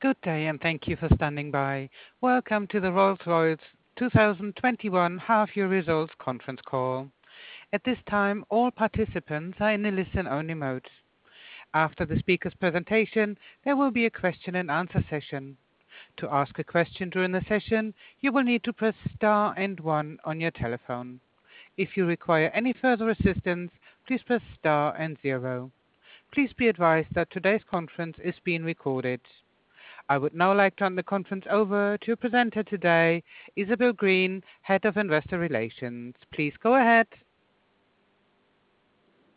Good day and thank you for standing by. Welcome to the Rolls-Royce 2021 half-year results conference call. At this time, all participants are in the listen-only mode. After the speaker's presentation, there will be a question and answer session. To ask a question during the session, you will need to press star and one on your telephone. If you require any further assistance, please press star and zero. Please be advised that today's conference is being recorded. I would now like to turn the conference over to our presenter today, Isabel Green, Head of Investor Relations. Please go ahead.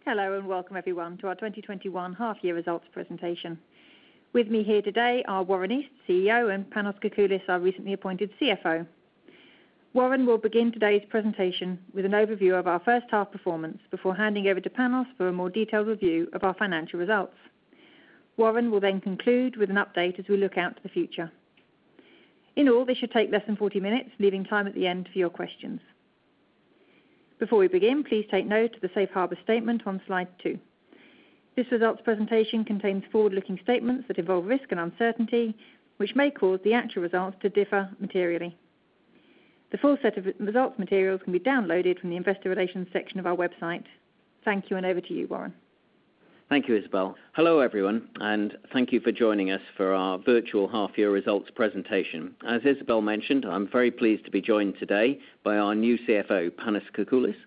Hello, welcome everyone to our 2021 half-year results presentation. With me here today are Warren East, CEO, and Panos Kakoullis, our recently appointed CFO. Warren will begin today's presentation with an overview of our first half performance before handing over to Panos for a more detailed review of our financial results. Warren will conclude with an update as we look out to the future. In all, this should take less than 40 minutes, leaving time at the end for your questions. Before we begin, please take note of the safe harbor statement on slide two. This results presentation contains forward-looking statements that involve risk and uncertainty, which may cause the actual results to differ materially. The full set of results materials can be downloaded from the investor relations section of our website. Thank you, over to you, Warren. Thank you, Isabel. Hello, everyone, and thank you for joining us for our virtual half-year results presentation. As Isabel mentioned, I'm very pleased to be joined today by our new CFO, Panos Kakoullis.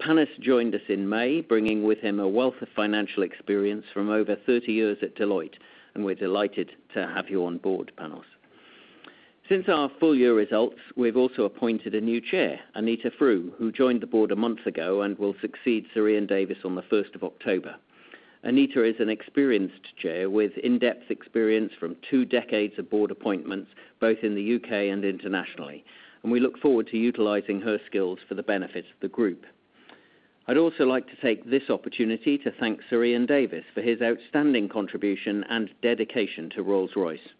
Panos joined us in May, bringing with him a wealth of financial experience from over 30 years at Deloitte. We're delighted to have you on board, Panos. Since our full-year results, we've also appointed a new Chair, Anita Frew, who joined the board a month ago and will succeed Sir Ian Davis on the 1st of October. Anita is an experienced Chair with in-depth experience from two decades of board appointments, both in the U.K. and internationally. We look forward to utilizing her skills for the benefit of the group. I'd also like to take this opportunity to thank Sir Ian Davis for his outstanding contribution and dedication to Rolls-Royce,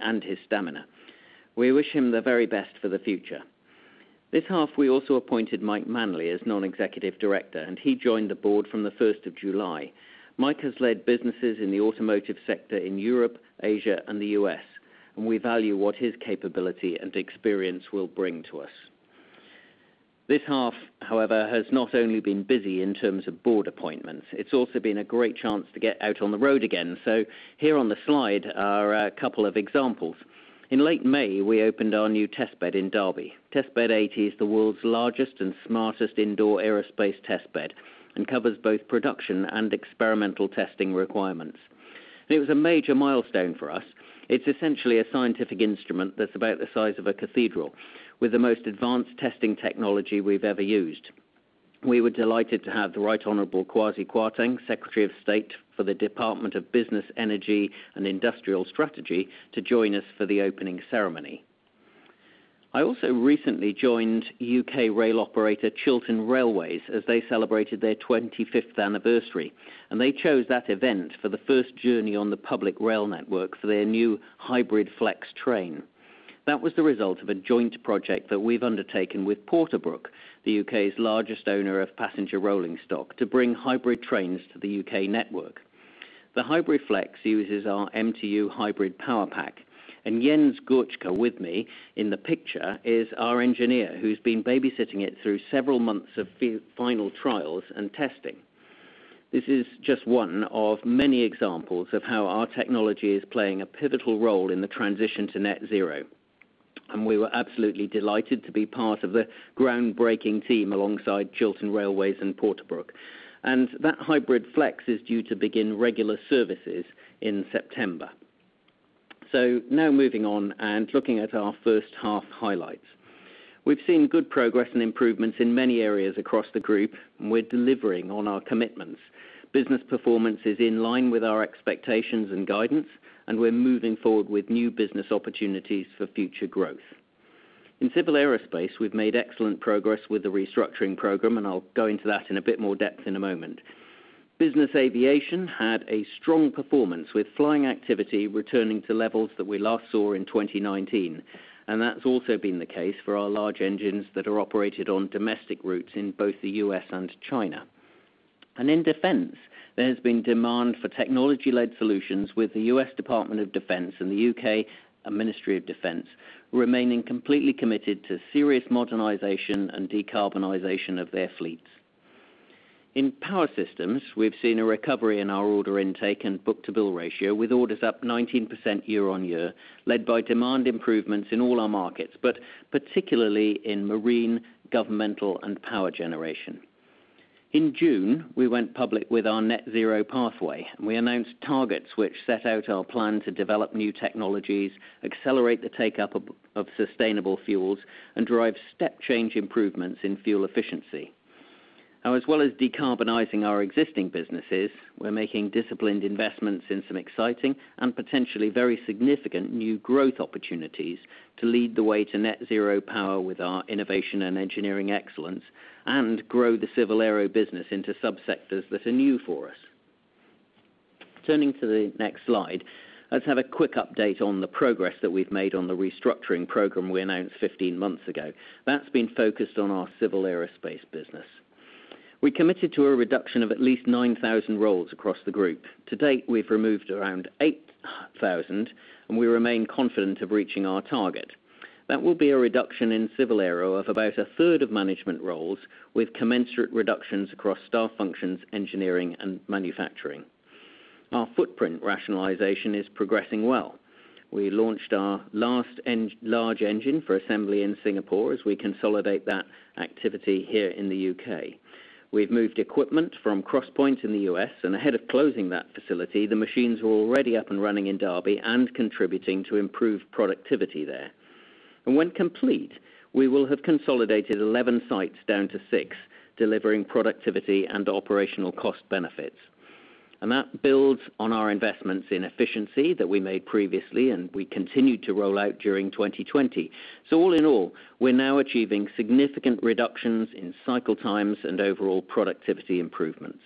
and his stamina. We wish him the very best for the future. This half, we also appointed Mike Manley as non-executive director, and he joined the board from the 1st of July. Mike has led businesses in the automotive sector in Europe, Asia, and the U.S., and we value what his capability and experience will bring to us. This half, however, has not only been busy in terms of board appointments, it's also been a great chance to get out on the road again. Here on the slide are a couple of examples. In late May, we opened our new testbed in Derby. Testbed 80 is the world's largest and smartest indoor aerospace testbed and covers both production and experimental testing requirements. It was a major milestone for us. It's essentially a scientific instrument that's about the size of a cathedral with the most advanced testing technology we've ever used. We were delighted to have the Right Honorable Kwasi Kwarteng, Secretary of State for the Department for Business, Energy and Industrial Strategy, to join us for the opening ceremony. I also recently joined U.K. rail operator Chiltern Railways as they celebrated their 25th anniversary, and they chose that event for the first journey on the public rail network for their new HybridFLEX train. That was the result of a joint project that we've undertaken with Porterbrook, the U.K.'s largest owner of passenger rolling stock, to bring hybrid trains to the U.K. network. The HybridFLEX uses our mtu Hybrid PowerPack, and Jens Gutschke, with me in the picture, is our engineer who's been babysitting it through several months of final trials and testing. This is just one of many examples of how our technology is playing a pivotal role in the transition to net zero. We were absolutely delighted to be part of the groundbreaking team alongside Chiltern Railways and Porterbrook. That HybridFLEX is due to begin regular services in September. Moving on and looking at our first half highlights. We've seen good progress and improvements in many areas across the group, and we're delivering on our commitments. Business performance is in line with our expectations and guidance, and we're moving forward with new business opportunities for future growth. In civil aerospace, we've made excellent progress with the restructuring program, and I'll go into that in a bit more depth in a moment. Business aviation had a strong performance, with flying activity returning to levels that we last saw in 2019, and that's also been the case for our large engines that are operated on domestic routes in both the U.S. and China. In defense, there has been demand for technology-led solutions with the U.S. Department of Defense and the U.K. Ministry of Defence remaining completely committed to serious modernization and decarbonization of their fleets. In power systems, we've seen a recovery in our order intake and book-to-bill ratio, with orders up 19% year-on-year, led by demand improvements in all our markets, but particularly in marine, governmental, and power generation. In June, we went public with our net zero pathway, and we announced targets which set out our plan to develop new technologies, accelerate the take-up of sustainable fuels, and drive step-change improvements in fuel efficiency. As well as decarbonizing our existing businesses, we're making disciplined investments in some exciting and potentially very significant new growth opportunities to lead the way to net zero power with our innovation and engineering excellence and grow the civil aero business into sub-sectors that are new for us. Turning to the next slide, let's have a quick update on the progress that we've made on the restructuring program we announced 15 months ago. That's been focused on our civil aerospace business. We committed to a reduction of at least 9,000 roles across the group. To date, we've removed around 8,000, and we remain confident of reaching our target. That will be a reduction in civil aero of about a third of management roles, with commensurate reductions across staff functions, engineering, and manufacturing. Our footprint rationalization is progressing well. We launched our last large engine for assembly in Singapore as we consolidate that activity here in the U.K. We've moved equipment from Crosspointe in the U.S., ahead of closing that facility, the machines were already up and running in Derby and contributing to improved productivity there. When complete, we will have consolidated 11 sites down to six, delivering productivity and operational cost benefits. That builds on our investments in efficiency that we made previously and we continued to roll out during 2020. All in all, we're now achieving significant reductions in cycle times and overall productivity improvements.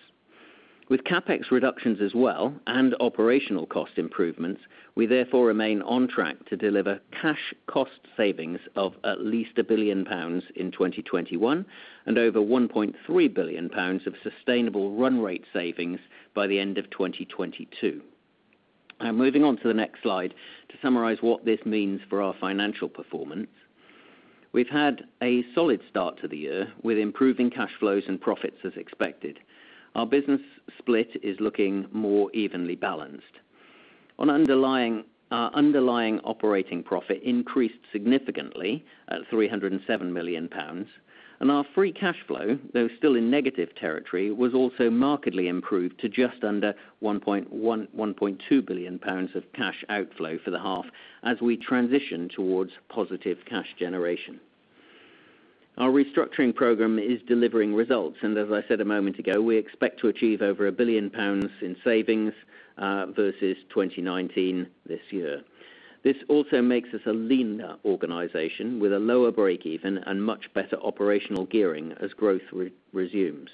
With CapEx reductions as well and operational cost improvements, we therefore remain on track to deliver cash cost savings of at least 1 billion pounds in 2021, and over 1.3 billion pounds of sustainable run rate savings by the end of 2022. Now moving on to the next slide to summarize what this means for our financial performance. We've had a solid start to the year with improving cash flows and profits as expected. Our business split is looking more evenly balanced. Our underlying operating profit increased significantly at 307 million pounds, and our free cash flow, though still in negative territory, was also markedly improved to just under 1.2 billion pounds of cash outflow for the half as we transition towards positive cash generation. Our restructuring program is delivering results, as I said a moment ago, we expect to achieve over 1 billion pounds in savings versus 2019 this year. This also makes us a leaner organization with a lower break-even and much better operational gearing as growth resumes.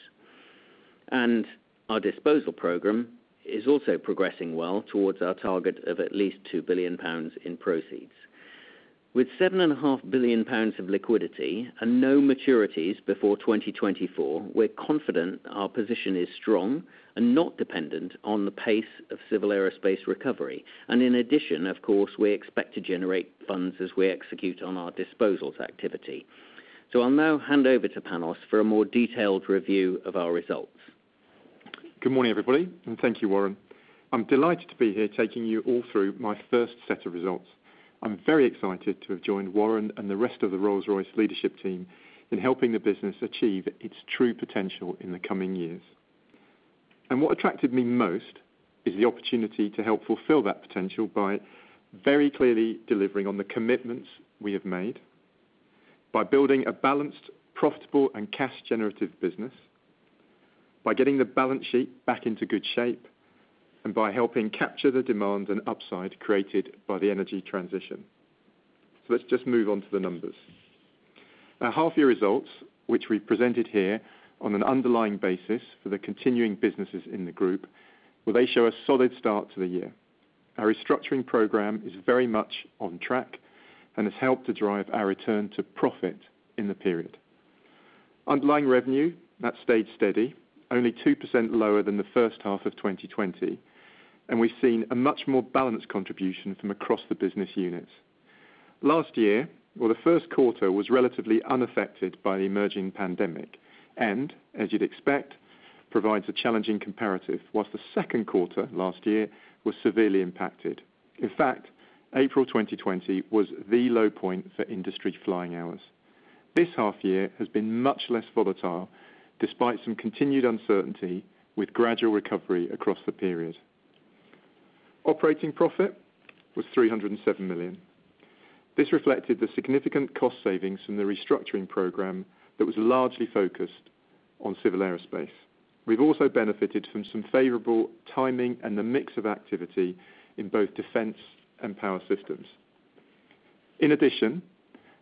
Our disposal program is also progressing well towards our target of at least 2 billion pounds in proceeds. With 7.5 billion pounds of liquidity and no maturities before 2024, we're confident our position is strong and not dependent on the pace of civil aerospace recovery. In addition, of course, we expect to generate funds as we execute on our disposals activity. I'll now hand over to Panos for a more detailed review of our results. Good morning, everybody, and thank you, Warren. I'm delighted to be here taking you all through my first set of results. I'm very excited to have joined Warren and the rest of the Rolls-Royce leadership team in helping the business achieve its true potential in the coming years. What attracted me most is the opportunity to help fulfill that potential by very clearly delivering on the commitments we have made, by building a balanced, profitable, and cash generative business, by getting the balance sheet back into good shape, and by helping capture the demand and upside created by the energy transition. Let's just move on to the numbers. Our half-year results, which we presented here on an underlying basis for the continuing businesses in the group, well, they show a solid start to the year. Our restructuring program is very much on track and has helped to drive our return to profit in the period. Underlying revenue, that stayed steady, only 2% lower than the first half of 2020. We've seen a much more balanced contribution from across the business units. Last year, the first quarter was relatively unaffected by the emerging pandemic, and as you'd expect, provides a challenging comparative, whilst the second quarter last year was severely impacted. In fact, April 2020 was the low point for industry flying hours. This half year has been much less volatile, despite some continued uncertainty with gradual recovery across the period. Operating profit was 307 million. This reflected the significant cost savings from the restructuring program that was largely focused on civil aerospace. We've also benefited from some favorable timing and the mix of activity in both defense and power systems. In addition,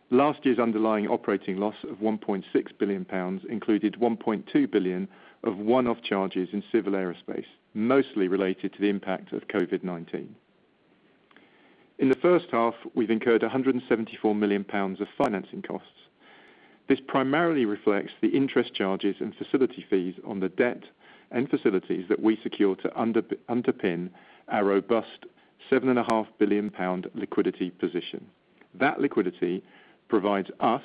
last year's underlying operating loss of 1.6 billion pounds included 1.2 billion of one-off charges in civil aerospace, mostly related to the impact of COVID-19. In the first half, we've incurred 174 million pounds of financing costs. This primarily reflects the interest charges and facility fees on the debt and facilities that we secure to underpin our robust 7.5 billion pound liquidity position. That liquidity provides us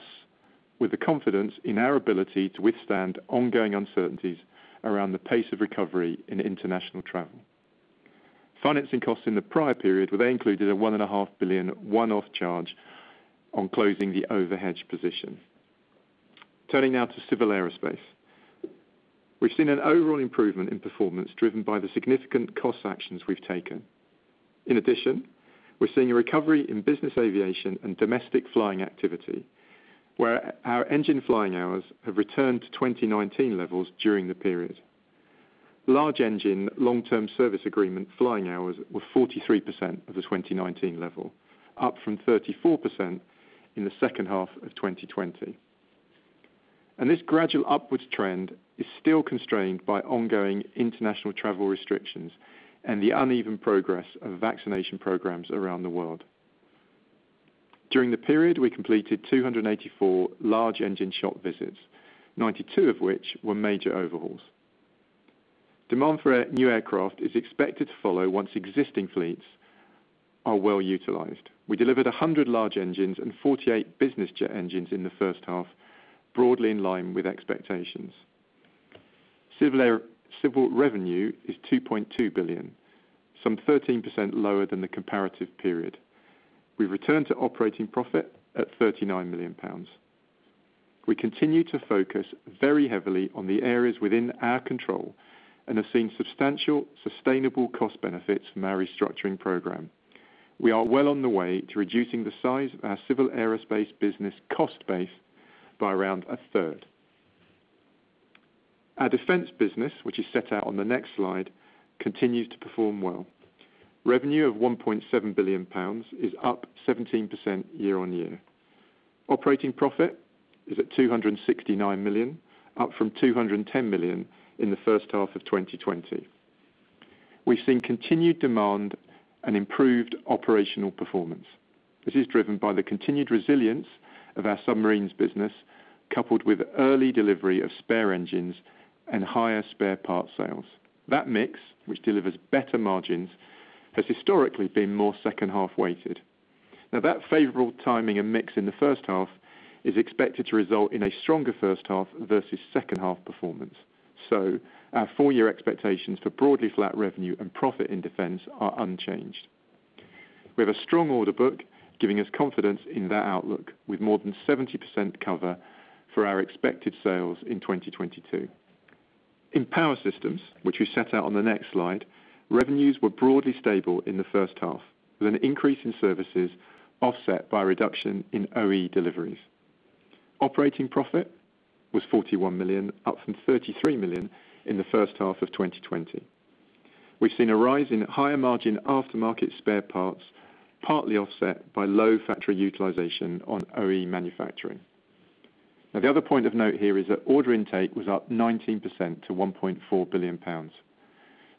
with the confidence in our ability to withstand ongoing uncertainties around the pace of recovery in international travel. Financing costs in the prior period, well, they included a 1.5 billion one-off charge on closing the over-hedge position. Turning now to civil aerospace. We've seen an overall improvement in performance driven by the significant cost actions we've taken. In addition, we're seeing a recovery in business aviation and domestic flying activity, where our engine flying hours have returned to 2019 levels during the period. Large engine long-term service agreement flying hours were 43% of the 2019 level, up from 34% in the second half of 2020. This gradual upwards trend is still constrained by ongoing international travel restrictions and the uneven progress of vaccination programs around the world. During the period, we completed 284 large engine shop visits, 92 of which were major overhauls. Demand for new aircraft is expected to follow once existing fleets are well-utilized. We delivered 100 large engines and 48 business jet engines in the first half, broadly in line with expectations. Civil revenue is 2.2 billion, some 13% lower than the comparative period. We returned to operating profit at 39 million pounds. We continue to focus very heavily on the areas within our control and are seeing substantial, sustainable cost benefits from our restructuring program. We are well on the way to reducing the size of our civil aerospace business cost base by around a third. Our defense business, which is set out on the next slide, continues to perform well. Revenue of 1.7 billion pounds is up 17% year-on-year. Operating profit is at 269 million, up from 210 million in the first half of 2020. We've seen continued demand and improved operational performance. This is driven by the continued resilience of our submarines business, coupled with early delivery of spare engines and higher spare parts sales. That mix, which delivers better margins, has historically been more second half weighted. That favorable timing and mix in the first half is expected to result in a stronger first half versus second half performance. Our full-year expectations for broadly flat revenue and profit in defense are unchanged. We have a strong order book, giving us confidence in that outlook, with more than 70% cover for our expected sales in 2022. In power systems, which we set out on the next slide, revenues were broadly stable in the first half, with an increase in services offset by a reduction in OE deliveries. Operating profit was 41 million, up from 33 million in the first half of 2020. We've seen a rise in higher margin aftermarket spare parts, partly offset by low factory utilization on OE manufacturing. Now, the other point of note here is that order intake was up 19% to 1.4 billion pounds.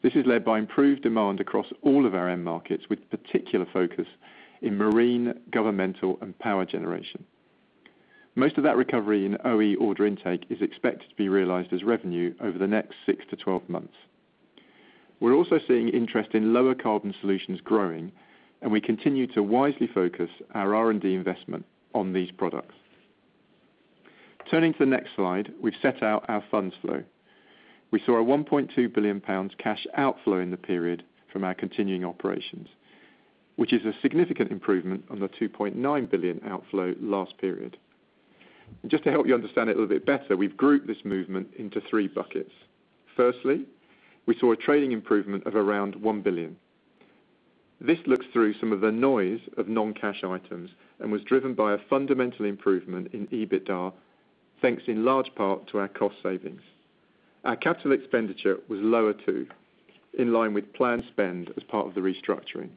This is led by improved demand across all of our end markets, with particular focus in marine, governmental, and power generation. Most of that recovery in OE order intake is expected to be realized as revenue over the next six to 12 months. We're also seeing interest in lower carbon solutions growing, and we continue to wisely focus our R&D investment on these products. Turning to the next slide, we've set out our funds flow. We saw a 1.2 billion pounds cash outflow in the period from our continuing operations, which is a significant improvement on the 2.9 billion outflow last period. Just to help you understand it a little bit better, we've grouped this movement into three buckets. Firstly, we saw a trading improvement of around 1 billion. This looks through some of the noise of non-cash items and was driven by a fundamental improvement in EBITDA, thanks in large part to our cost savings. Our capital expenditure was lower, too, in line with planned spend as part of the restructuring.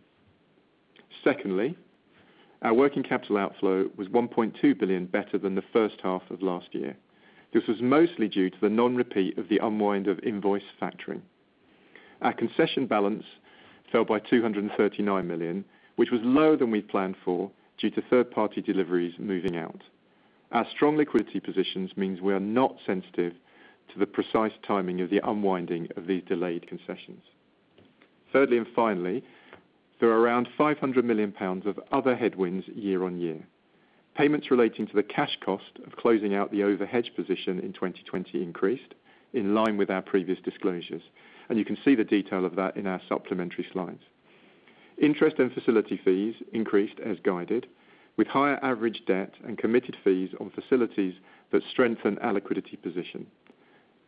Secondly, our working capital outflow was 1.2 billion better than the first half of last year. This was mostly due to the non-repeat of the unwind of invoice factoring. Our concession balance fell by 239 million, which was lower than we planned for, due to third-party deliveries moving out. Our strong liquidity positions means we are not sensitive to the precise timing of the unwinding of these delayed concessions. Thirdly, and finally, there are around 500 million pounds of other headwinds year-over-year. Payments relating to the cash cost of closing out the over-hedge position in 2020 increased, in line with our previous disclosures. You can see the detail of that in our supplementary slides. Interest and facility fees increased as guided, with higher average debt and committed fees on facilities that strengthen our liquidity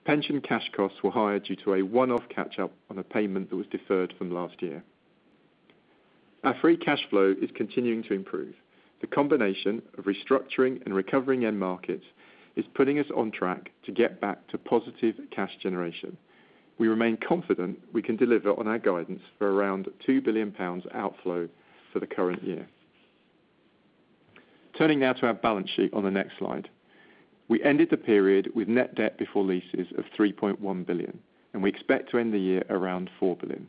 position. Pension cash costs were higher due to a one-off catch-up on a payment that was deferred from last year. Our free cash flow is continuing to improve. The combination of restructuring and recovering end markets is putting us on track to get back to positive cash generation. We remain confident we can deliver on our guidance for around 2 billion pounds outflow for the current year. Turning now to our balance sheet on the next slide. We ended the period with net debt before leases of 3.1 billion, and we expect to end the year around 4 billion.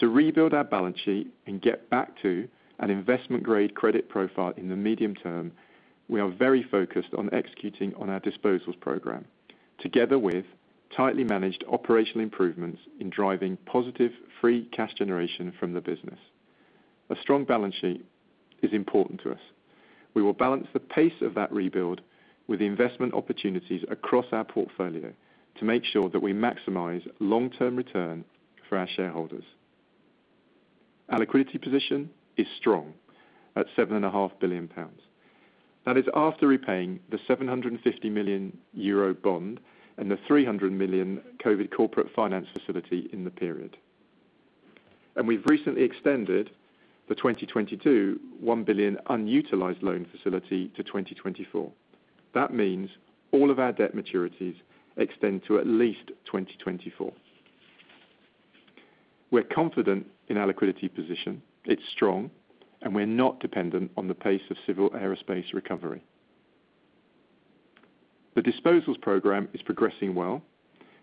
To rebuild our balance sheet and get back to an investment-grade credit profile in the medium term, we are very focused on executing on our disposals program, together with tightly managed operational improvements in driving positive free cash generation from the business. A strong balance sheet is important to us. We will balance the pace of that rebuild with the investment opportunities across our portfolio to make sure that we maximize long-term return for our shareholders. Our liquidity position is strong at 7.5 billion pounds. That is after repaying the 750 million euro bond and the 300 million COVID Corporate Financing Facility in the period. We've recently extended the 2022 1 billion unutilized loan facility to 2024. That means all of our debt maturities extend to at least 2024. We're confident in our liquidity position. It's strong, and we're not dependent on the pace of civil aerospace recovery. The disposals program is progressing well,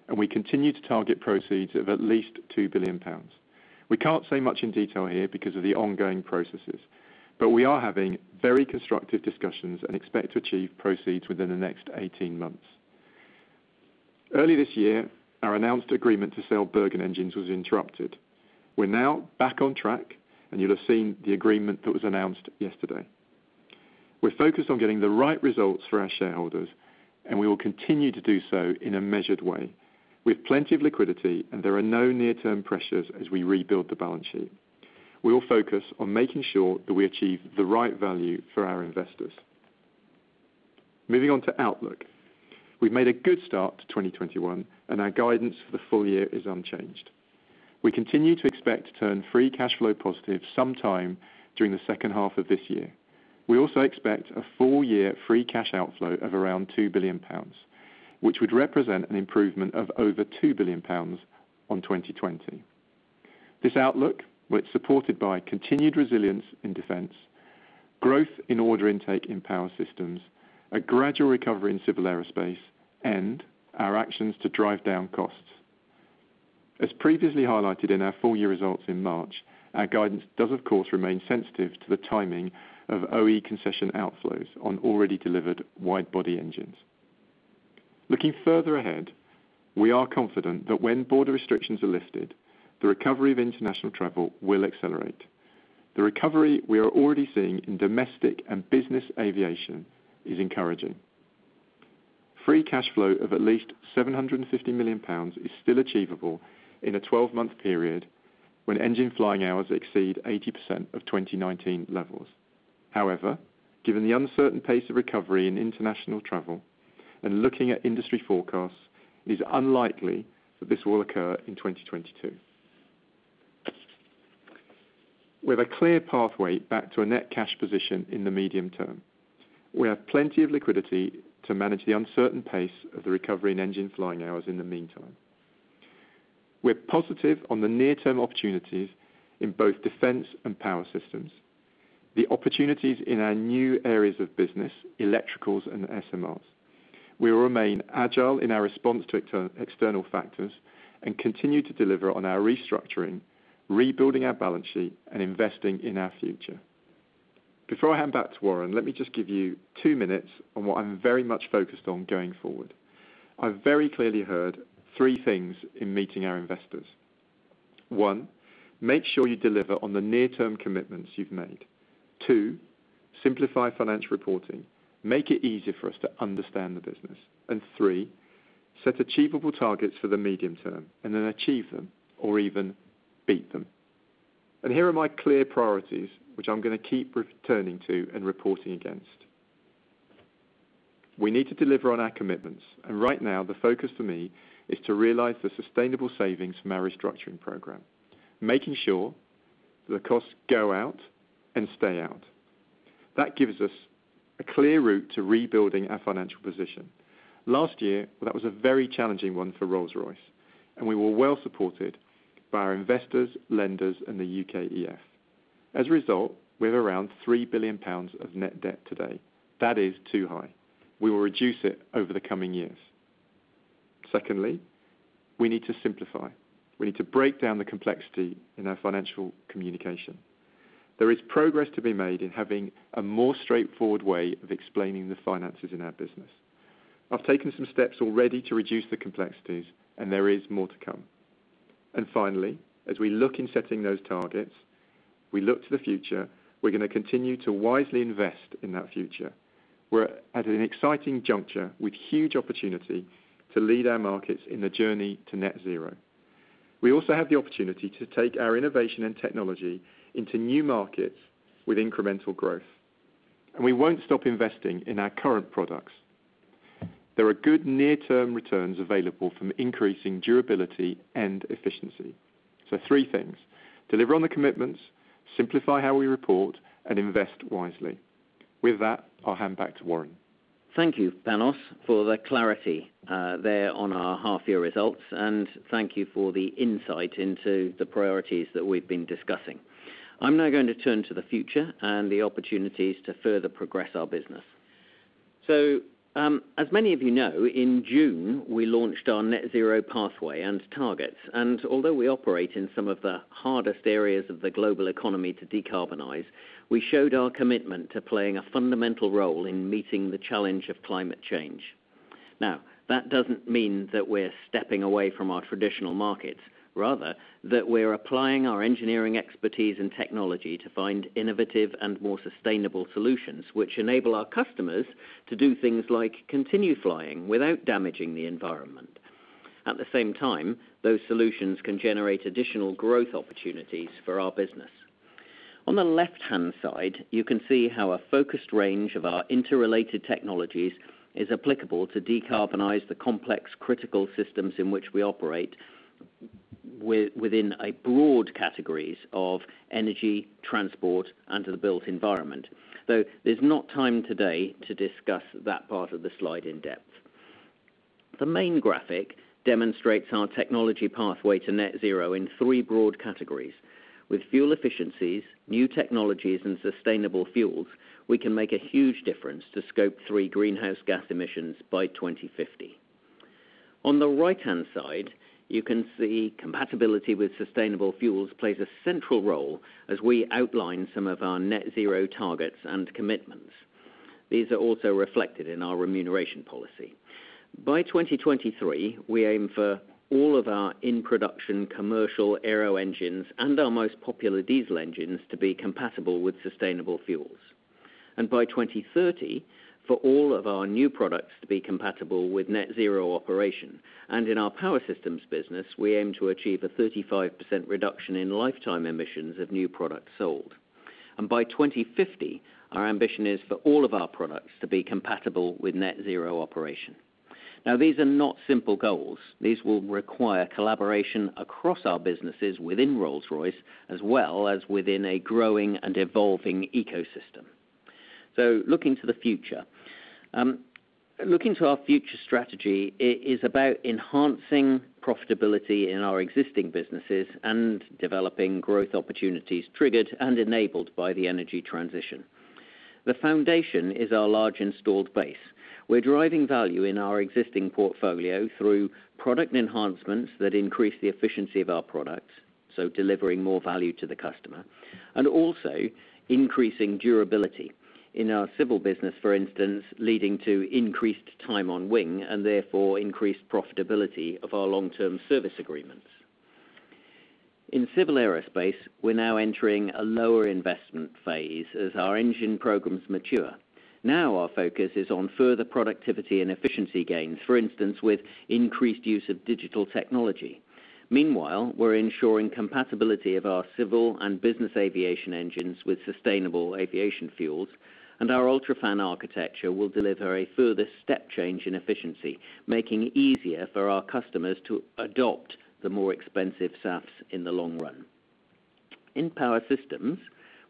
and we continue to target proceeds of at least 2 billion pounds. We can't say much in detail here because of the ongoing processes, but we are having very constructive discussions and expect to achieve proceeds within the next 18 months. Early this year, our announced agreement to sell Bergen Engines was interrupted. We're now back on track, and you'll have seen the agreement that was announced yesterday. We're focused on getting the right results for our shareholders, and we will continue to do so in a measured way. We have plenty of liquidity, and there are no near-term pressures as we rebuild the balance sheet. We will focus on making sure that we achieve the right value for our investors. Moving on to outlook. We've made a good start to 2021, and our guidance for the full year is unchanged. We continue to expect to turn free cash flow positive sometime during the second half of this year. We also expect a full-year free cash outflow of around 2 billion pounds, which would represent an improvement of over 2 billion pounds on 2020. This outlook was supported by continued resilience in defense, growth in order intake in power systems, a gradual recovery in civil aerospace, and our actions to drive down costs. As previously highlighted in our full-year results in March, our guidance does, of course, remain sensitive to the timing of OE concession outflows on already-delivered wide-body engines. Looking further ahead, we are confident that when border restrictions are lifted, the recovery of international travel will accelerate. The recovery we are already seeing in domestic and business aviation is encouraging. Free cash flow of at least 750 million pounds is still achievable in a 12-month period when engine flying hours exceed 80% of 2019 levels. Given the uncertain pace of recovery in international travel, and looking at industry forecasts, it is unlikely that this will occur in 2022. We have a clear pathway back to a net cash position in the medium term. We have plenty of liquidity to manage the uncertain pace of the recovery in engine flying hours in the meantime. We're positive on the near-term opportunities in both defense and power systems, the opportunities in our new areas of business, Electricals and SMRs. We will remain agile in our response to external factors and continue to deliver on our restructuring, rebuilding our balance sheet, and investing in our future. Before I hand back to Warren, let me just give you two minutes on what I'm very much focused on going forward. I've very clearly heard three things in meeting our investors. One, make sure you deliver on the near-term commitments you've made. Two, simplify financial reporting. Make it easier for us to understand the business. Three, set achievable targets for the medium term, and then achieve them or even beat them. Here are my clear priorities, which I'm going to keep returning to and reporting against. We need to deliver on our commitments. Right now, the focus for me is to realize the sustainable savings from our restructuring program, making sure the costs go out and stay out. That gives us a clear route to rebuilding our financial position. Last year, that was a very challenging one for Rolls-Royce. We were well supported by our investors, lenders, and the UKEF. As a result, we have around 3 billion pounds of net debt today. That is too high. We will reduce it over the coming years. Secondly, we need to simplify. We need to break down the complexity in our financial communication. There is progress to be made in having a more straightforward way of explaining the finances in our business. I've taken some steps already to reduce the complexities. There is more to come. Finally, as we look in setting those targets, we look to the future. We're going to continue to wisely invest in that future. We're at an exciting juncture with huge opportunity to lead our markets in the journey to net zero. We also have the opportunity to take our innovation and technology into new markets with incremental growth. We won't stop investing in our current products. There are good near-term returns available from increasing durability and efficiency. Three things. Deliver on the commitments, simplify how we report, and invest wisely. With that, I'll hand back to Warren. Thank you, Panos, for the clarity there on our half-year results, and thank you for the insight into the priorities that we've been discussing. I'm now going to turn to the future and the opportunities to further progress our business. As many of you know, in June, we launched our net-zero pathway and targets, and although we operate in some of the hardest areas of the global economy to decarbonize, we showed our commitment to playing a fundamental role in meeting the challenge of climate change. That doesn't mean that we're stepping away from our traditional markets, rather that we're applying our engineering expertise and technology to find innovative and more sustainable solutions, which enable our customers to do things like continue flying without damaging the environment. At the same time, those solutions can generate additional growth opportunities for our business. On the left-hand side, you can see how a focused range of our interrelated technologies is applicable to decarbonize the complex critical systems in which we operate within a broad categories of energy, transport, and the built environment, though there's not time today to discuss that part of the slide in depth. The main graphic demonstrates our technology pathway to net zero in three broad categories. With fuel efficiencies, new technologies, and sustainable fuels, we can make a huge difference to Scope 3 greenhouse gas emissions by 2050. On the right-hand side, you can see compatibility with sustainable fuels plays a central role as we outline some of our net zero targets and commitments. These are also reflected in our remuneration policy. By 2023, we aim for all of our in-production commercial aero engines and our most popular diesel engines to be compatible with sustainable fuels. By 2030, for all of our new products to be compatible with net zero operation. In our power systems business, we aim to achieve a 35% reduction in lifetime emissions of new products sold. By 2050, our ambition is for all of our products to be compatible with net zero operation. These are not simple goals. These will require collaboration across our businesses within Rolls-Royce, as well as within a growing and evolving ecosystem. Looking to the future. Looking to our future strategy, it is about enhancing profitability in our existing businesses and developing growth opportunities triggered and enabled by the energy transition. The foundation is our large installed base. We're driving value in our existing portfolio through product enhancements that increase the efficiency of our products, so delivering more value to the customer, and also increasing durability. In our civil business, for instance, leading to increased time on wing, and therefore increased profitability of our Long-Term Service Agreements. In civil aerospace, we're now entering a lower investment phase as our engine programs mature. Now our focus is on further productivity and efficiency gains, for instance, with increased use of digital technology. Meanwhile, we're ensuring compatibility of our civil and business aviation engines with sustainable aviation fuels, and our UltraFan architecture will deliver a further step change in efficiency, making it easier for our customers to adopt the more expensive SAFs in the long run. In power systems,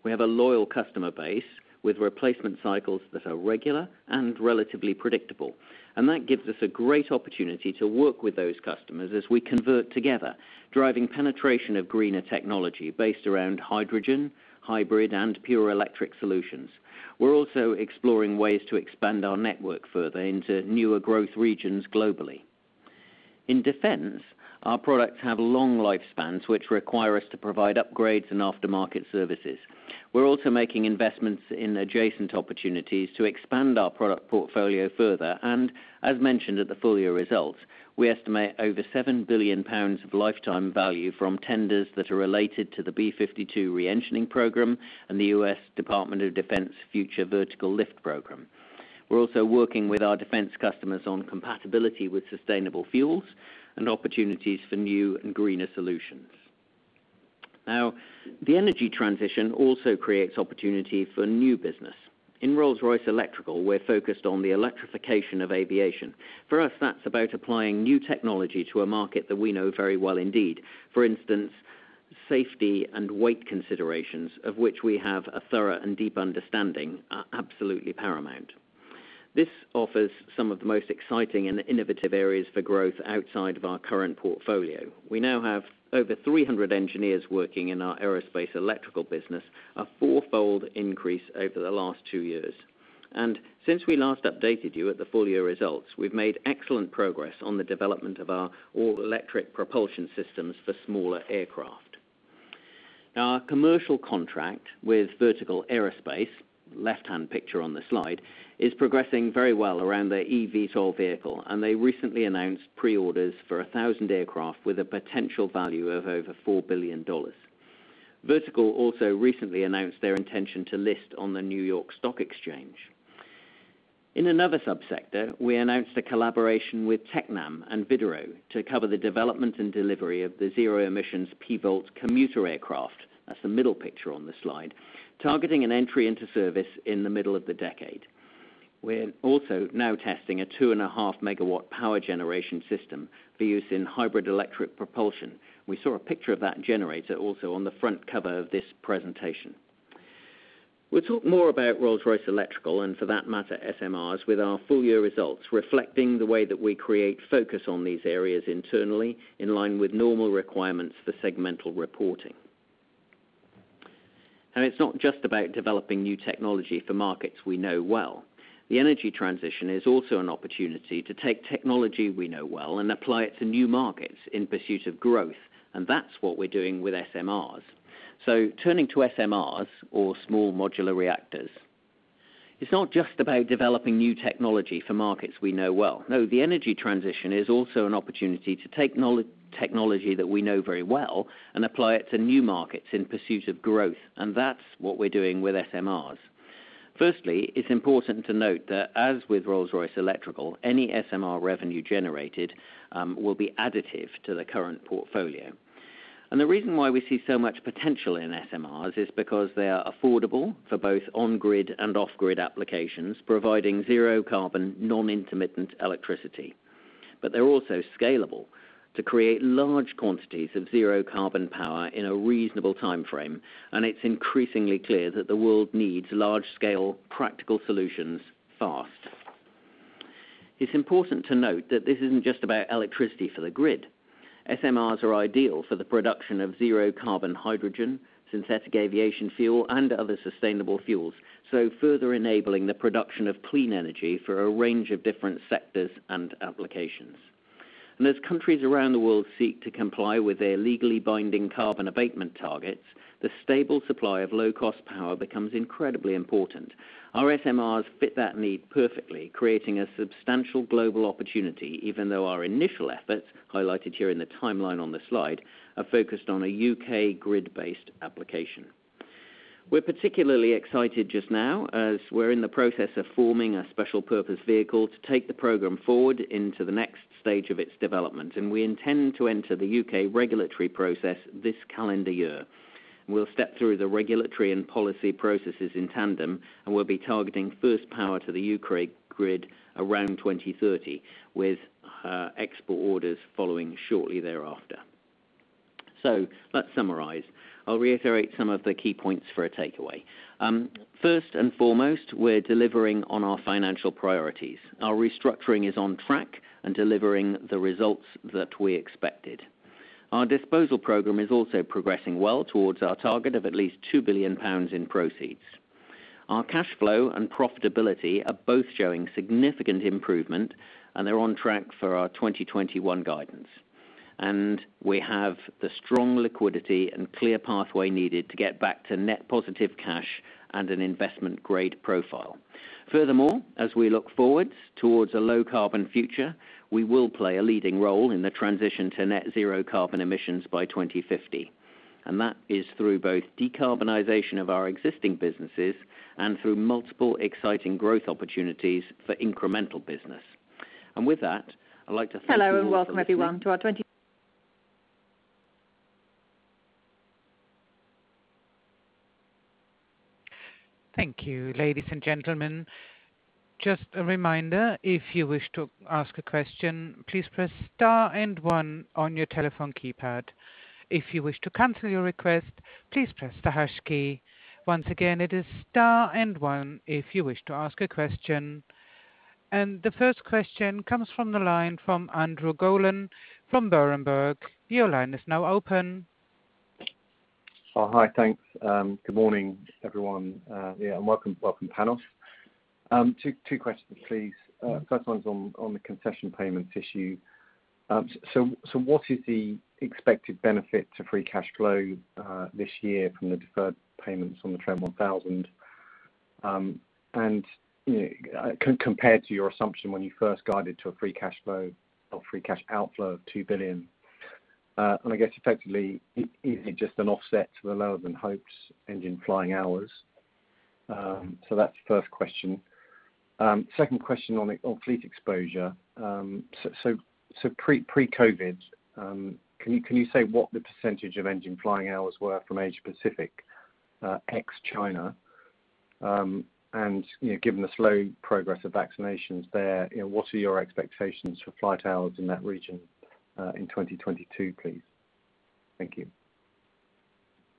we have a loyal customer base with replacement cycles that are regular and relatively predictable, and that gives us a great opportunity to work with those customers as we convert together, driving penetration of greener technology based around hydrogen, hybrid, and pure electric solutions. We're also exploring ways to expand our network further into newer growth regions globally. In defense, our products have long lifespans, which require us to provide upgrades and aftermarket services. We're also making investments in adjacent opportunities to expand our product portfolio further and, as mentioned at the full-year results, we estimate over 7 billion pounds of lifetime value from tenders that are related to the B-52 re-engining program and the U.S. Department of Defense Future Vertical Lift program. We're also working with our defense customers on compatibility with sustainable fuels and opportunities for new and greener solutions. Now, the energy transition also creates opportunity for new business. In Rolls-Royce Electrical, we're focused on the electrification of aviation. For us, that's about applying new technology to a market that we know very well indeed. For instance, safety and weight considerations, of which we have a thorough and deep understanding, are absolutely paramount. This offers some of the most exciting and innovative areas for growth outside of our current portfolio. We now have over 300 engineers working in our aerospace electrical business, a fourfold increase over the last two years. Since we last updated you at the full-year results, we've made excellent progress on the development of our all-electric propulsion systems for smaller aircraft. Our commercial contract with Vertical Aerospace, left-hand picture on the slide, is progressing very well around their eVTOL vehicle. They recently announced pre-orders for 1,000 aircraft with a potential value of over $4 billion. Vertical also recently announced their intention to list on the New York Stock Exchange. In another sub-sector, we announced a collaboration with Tecnam and Widerøe to cover the development and delivery of the zero-emissions P-Volt commuter aircraft. That's the middle picture on the slide. Targeting an entry into service in the middle of the decade. We're also now testing a 2.5 MW power generation system for use in hybrid electric propulsion. We saw a picture of that generator also on the front cover of this presentation. We'll talk more about Rolls-Royce Electrical, and for that matter, SMRs, with our full-year results, reflecting the way that we create focus on these areas internally, in line with normal requirements for segmental reporting. It's not just about developing new technology for markets we know well. The energy transition is also an opportunity to take technology we know well and apply it to new markets in pursuit of growth, and that's what we're doing with SMRs. Turning to SMRs or small modular reactors. It's not just about developing new technology for markets we know well. The energy transition is also an opportunity to take technology that we know very well and apply it to new markets in pursuit of growth, and that's what we're doing with SMRs. Firstly, it's important to note that as with Rolls-Royce Electrical, any SMR revenue generated will be additive to the current portfolio. The reason why we see so much potential in SMRs is because they are affordable for both on-grid and off-grid applications, providing zero carbon, non-intermittent electricity. They're also scalable to create large quantities of zero carbon power in a reasonable timeframe, and it's increasingly clear that the world needs large-scale practical solutions fast. It's important to note that this isn't just about electricity for the grid. SMRs are ideal for the production of zero carbon hydrogen, synthetic aviation fuel, and other sustainable fuels, further enabling the production of clean energy for a range of different sectors and applications. As countries around the world seek to comply with their legally binding carbon abatement targets, the stable supply of low-cost power becomes incredibly important. Our SMRs fit that need perfectly, creating a substantial global opportunity, even though our initial efforts, highlighted here in the timeline on the slide, are focused on a U.K. grid-based application. We're particularly excited just now as we're in the process of forming a special-purpose vehicle to take the program forward into the next stage of its development, and we intend to enter the U.K. regulatory process this calendar year. We'll step through the regulatory and policy processes in tandem, we'll be targeting first power to the U.K. grid around 2030, with export orders following shortly thereafter. Let's summarize. I'll reiterate some of the key points for a takeaway. First and foremost, we're delivering on our financial priorities. Our restructuring is on track and delivering the results that we expected. Our disposal program is also progressing well towards our target of at least 2 billion pounds in proceeds. Our cash flow and profitability are both showing significant improvement, they're on track for our 2021 guidance. We have the strong liquidity and clear pathway needed to get back to net positive cash and an investment grade profile. Furthermore, as we look forwards towards a low carbon future, we will play a leading role in the transition to net zero carbon emissions by 2050. That is through both decarbonization of our existing businesses and through multiple exciting growth opportunities for incremental business. With that, I’d like to thank you all for listening. Thank you. Ladies and gentlemen, just a reminder, if you wish to ask a question, please press star and one on your telephone keypad. If you wish to cancel your request, please press the hash key. Once again, it is star and one if you wish to ask a question. The first question comes from the line from Andrew Gollan from Berenberg. Your line is now open. Oh, hi. Thanks. Good morning, everyone. Welcome Panos. Two questions, please. First one's on the concession payments issue. What is the expected benefit to free cash flow this year from the deferred payments from the Trent 1000? Compared to your assumption when you first guided to a free cash outflow of 2 billion. I guess effectively, is it just an offset to the lower than hoped engine flying hours? That's the first question. Second question on fleet exposure. Pre-COVID, can you say what the percentage of engine flying hours were from Asia Pacific, ex-China? Given the slow progress of vaccinations there, what are your expectations for flight hours in that region in 2022, please? Thank you.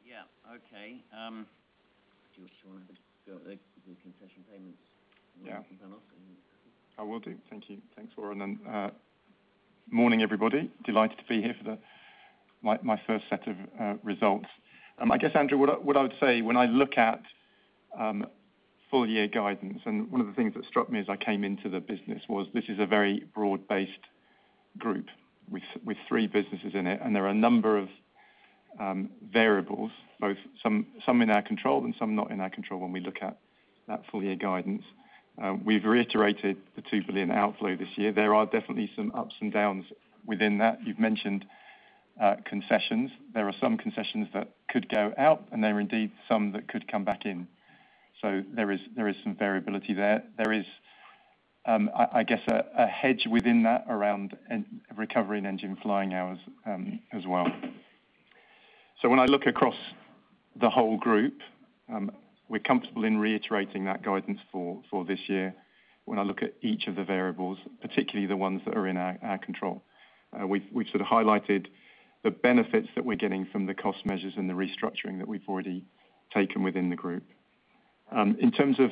Yeah. Okay. Do you want to go with the concession payments. Yeah Panos. I will do. Thank you. Thanks, Warren, and morning, everybody. Delighted to be here for my first set of results. I guess, Andrew, what I would say when I look at full year guidance, and one of the things that struck me as I came into the business was this is a very broad-based group with three businesses in it, and there are a number of variables, both some in our control and some not in our control when we look at that full year guidance. We've reiterated the 2 billion outflow this year. There are definitely some ups and downs within that. You've mentioned concessions. There are some concessions that could go out, and there are indeed some that could come back in. There is some variability there. There is, I guess, a hedge within that around recovery in engine flying hours as well. When I look across the whole group, we're comfortable in reiterating that guidance for this year. When I look at each of the variables, particularly the ones that are in our control, we've highlighted the benefits that we're getting from the cost measures and the restructuring that we've already taken within the group. In terms of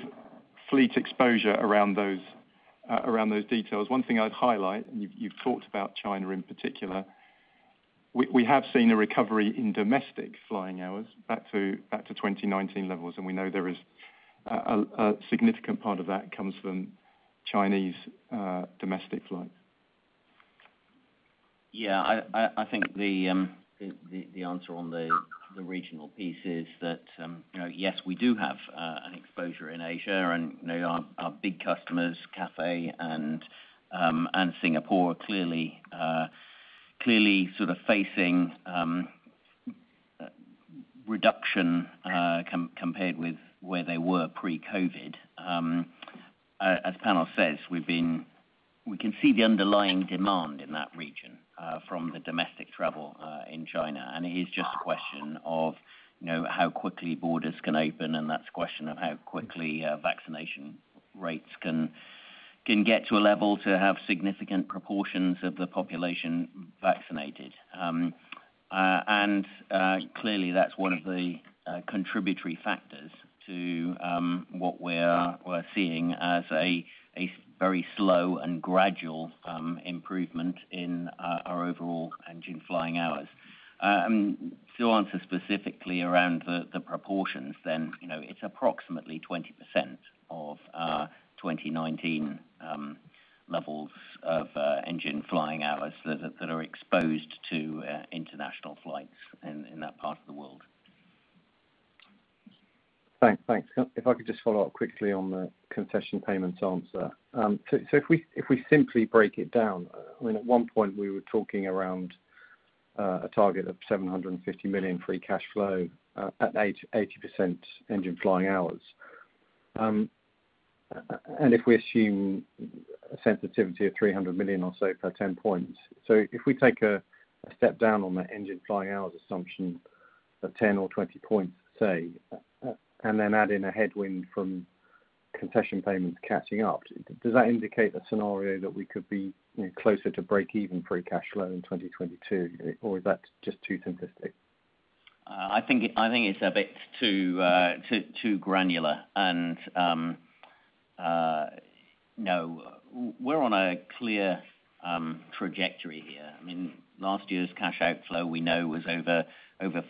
fleet exposure around those details, one thing I'd highlight, and you've talked about China in particular, we have seen a recovery in domestic flying hours back to 2019 levels, and we know a significant part of that comes from Chinese domestic flights. Yeah, I think the answer on the regional piece is that, yes, we do have an exposure in Asia, and our big customers, Cathay and Singapore are clearly facing reduction compared with where they were pre-COVID. As Panos says, we can see the underlying demand in that region from the domestic travel in China. It is just a question of how quickly borders can open, and that's a question of how quickly vaccination rates can get to a level to have significant proportions of the population vaccinated. Clearly that's one of the contributory factors to what we're seeing as a very slow and gradual improvement in our overall engine flying hours. To answer specifically around the proportions then, it's approximately 20% of our 2019 levels of engine flying hours that are exposed to international flights in that part of the world. Thanks. If I could just follow up quickly on the concession payments answer. If we simply break it down, at one point we were talking around a target of 750 million free cash flow at 80% engine flying hours. If we assume a sensitivity of 300 million or so per 10 points. If we take a step down on the engine flying hours assumption of 10 or 20 points, say, and then add in a headwind from concession payments catching up, does that indicate a scenario that we could be closer to break-even free cash flow in 2022, or is that just too simplistic? I think it's a bit too granular. No. We're on a clear trajectory here. Last year's cash outflow we know was over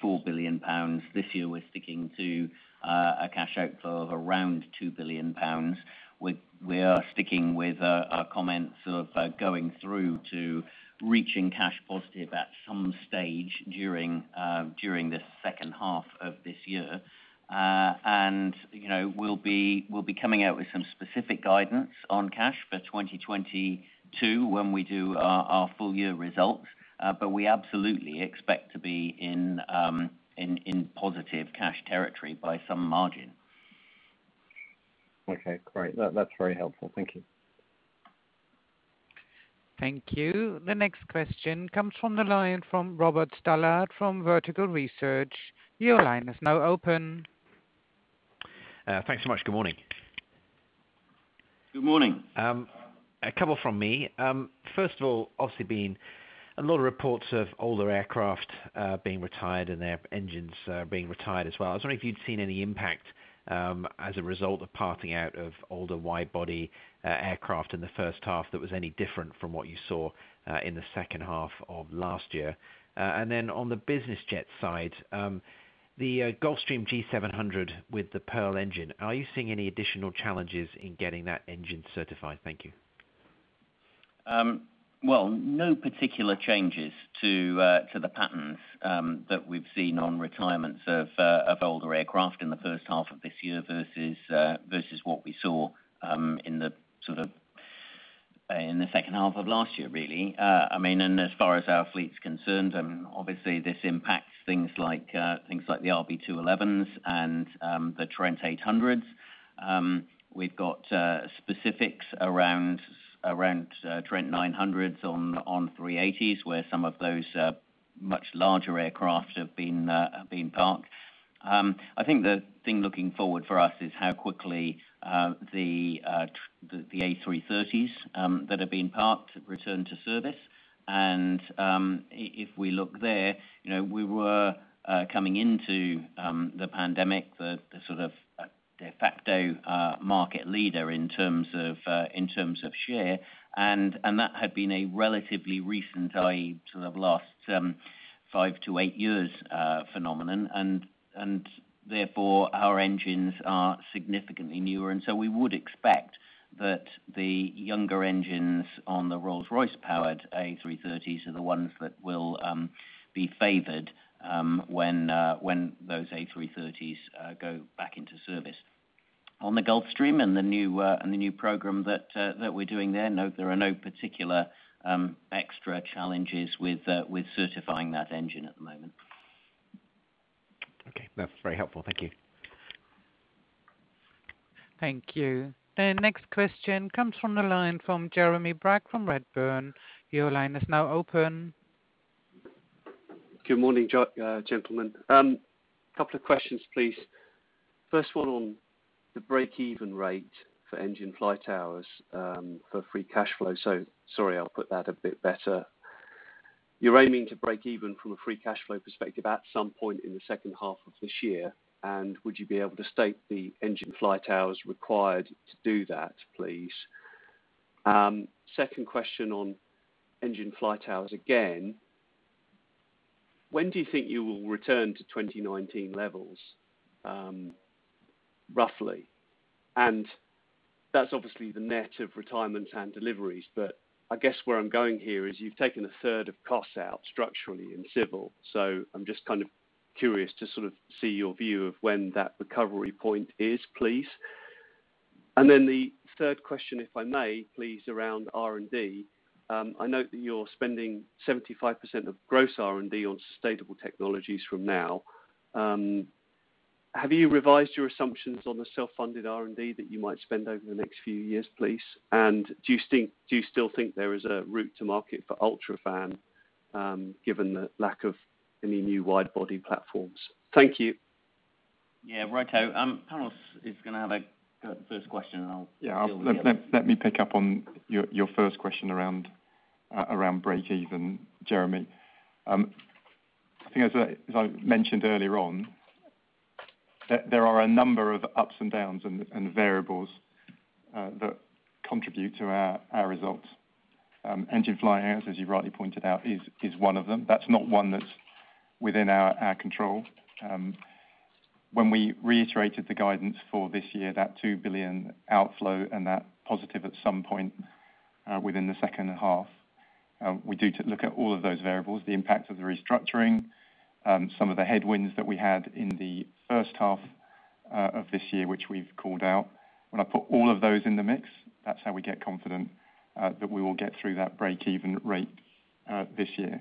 4 billion pounds. This year we're sticking to a cash outflow of around 2 billion pounds. We are sticking with our comments of going through to reaching cash positive at some stage during the second half of this year. We'll be coming out with some specific guidance on cash for 2022 when we do our full year results. We absolutely expect to be in positive cash territory by some margin. Okay, great. That's very helpful. Thank you. Thank you. The next question comes from the line from Robert Stallard from Vertical Research. Your line is now open. Thanks so much. Good morning. Good morning. A couple from me. Obviously been a lot of reports of older aircraft being retired and their engines being retired as well. I was wondering if you'd seen any impact, as a result of parking out of older wide body aircraft in the first half that was any different from what you saw in the second half of last year. On the business jet side, the Gulfstream G700 with the Pearl engine, are you seeing any additional challenges in getting that engine certified? Thank you. Well, no particular changes to the patterns that we've seen on retirements of older aircraft in the first half of this year versus what we saw in the second half of last year, really. As far as our fleet's concerned, obviously this impacts things like the RB211s and the Trent 800s. We've got specifics around Trent 900s on 380s, where some of those much larger aircraft have been parked. I think the thing looking forward for us is how quickly the A330s that have been parked return to service. If we look there, we were coming into the pandemic, the de facto market leader in terms of share, and that had been a relatively recent, sort of last five to eight years phenomenon. Therefore our engines are significantly newer, so we would expect that the younger engines on the Rolls-Royce powered A330s are the ones that will be favored when those A330s go back into service. On the Gulfstream and the new program that we're doing there are no particular extra challenges with certifying that engine at the moment. Okay. That's very helpful. Thank you. Thank you. The next question comes from the line from Jeremy Bragg from Redburn. Your line is now open. Good morning, gentlemen. Couple of questions, please. First one on the break-even rate for engine flight hours for free cash flow. Sorry, I'll put that a bit better. You're aiming to break-even from a free cash flow perspective at some point in the second half of this year, and would you be able to state the engine flight hours required to do that, please? Second question on engine flight hours again. When do you think you will return to 2019 levels, roughly? That's obviously the net of retirements and deliveries. I guess where I'm going here is you've taken a third of costs out structurally in civil. I'm just kind of curious to sort of see your view of when that recovery point is, please. The third question, if I may please, around R&D. I note that you're spending 75% of gross R&D on sustainable technologies from now. Have you revised your assumptions on the self-funded R&D that you might spend over the next few years, please? Do you still think there is a route to market for UltraFan, given the lack of any new wide body platforms? Thank you. Yeah. Right. Panos is going to have a go at the first question, and I'll deal with the others. Let me pick up on your first question around break-even, Jeremy. I think as I mentioned earlier on, that there are a number of ups and downs and variables that contribute to our results. Engine flyouts, as you rightly pointed out, is one of them. That's not one that's within our control. When we reiterated the guidance for this year, that 2 billion outflow and that positive at some point within the second half, we do look at all of those variables, the impact of the restructuring, some of the headwinds that we had in the first half of this year, which we've called out. When I put all of those in the mix, that's how we get confident that we will get through that break-even rate this year.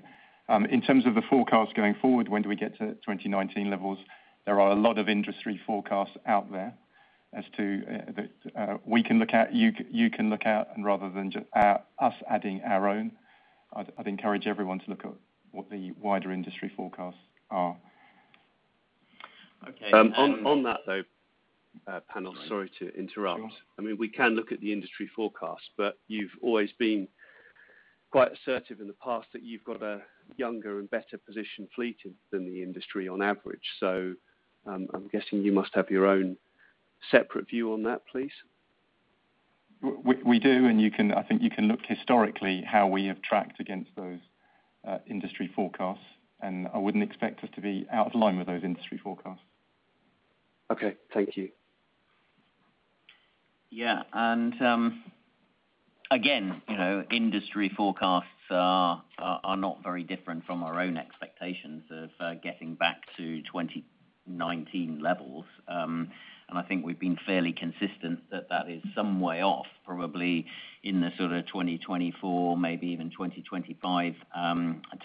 In terms of the forecast going forward, when do we get to 2019 levels, there are a lot of industry forecasts out there that we can look at, you can look at. Rather than just us adding our own, I'd encourage everyone to look at what the wider industry forecasts are. Okay. On that, though, Panos, sorry to interrupt. Sure. We can look at the industry forecast, but you've always been quite assertive in the past that you've got a younger and better position fleet than the industry on average. I'm guessing you must have your own separate view on that, please. We do, and I think you can look historically how we have tracked against those industry forecasts, and I wouldn't expect us to be out of line with those industry forecasts. Okay. Thank you. Yeah. Industry forecasts are not very different from our own expectations of getting back to 2019 levels. I think we've been fairly consistent that is some way off, probably in the sort of 2024, maybe even 2025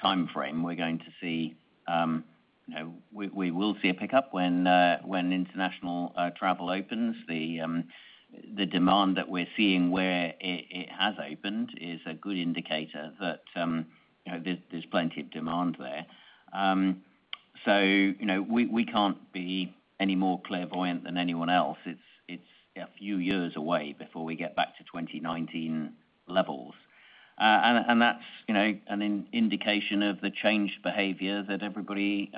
timeframe, we will see a pickup when international travel opens. The demand that we're seeing where it has opened is a good indicator that there's plenty of demand there. We can't be any more clairvoyant than anyone else. It's a few years away before we get back to 2019 levels. That's an indication of the changed behavior that everybody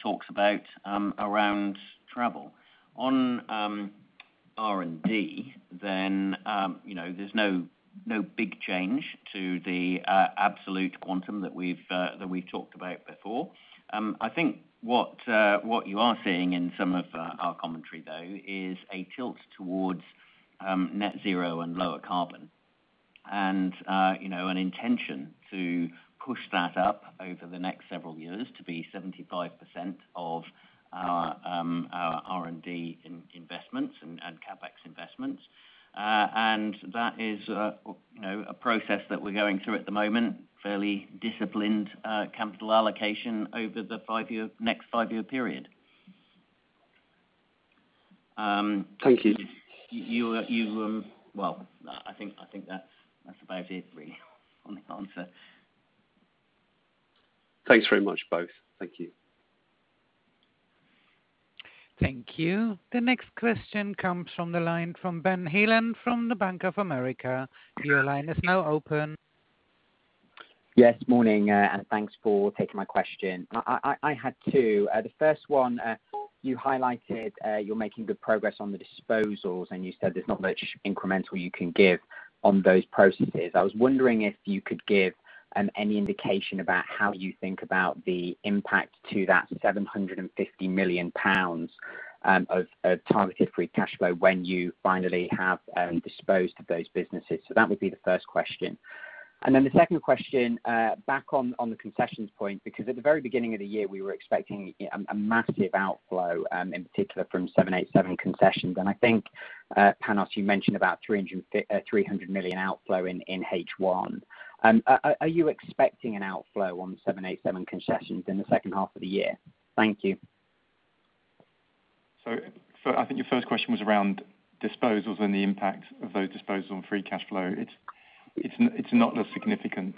talks about around travel. On R&D, there's no big change to the absolute quantum that we've talked about before. I think what you are seeing in some of our commentary, though, is a tilt towards net zero and lower carbon. An intention to push that up over the next several years to be 75% of our R&D investments and CapEx investments. That is a process that we're going through at the moment, fairly disciplined capital allocation over the next five-year period. Thank you. Well, I think that's about it really on the answer. Thanks very much, both. Thank you. Thank you. The next question comes from the line from Ben Heelan from the Bank of America. Your line is now open. Yes, morning. Thanks for taking my question. I had two. The first one, you highlighted you're making good progress on the disposals, and you said there's not much incremental you can give on those processes. I was wondering if you could give any indication about how you think about the impact to that 750 million pounds of targeted free cash flow when you finally have disposed of those businesses. That would be the first question. The second question, back on the concessions point, because at the very beginning of the year, we were expecting a massive outflow, in particular from 787 concessions. I think, Panos, you mentioned about 300 million outflow in H1. Are you expecting an outflow on 787 concessions in the second half of the year? Thank you. I think your first question was around disposals and the impact of those disposals on free cash flow. It's not a significant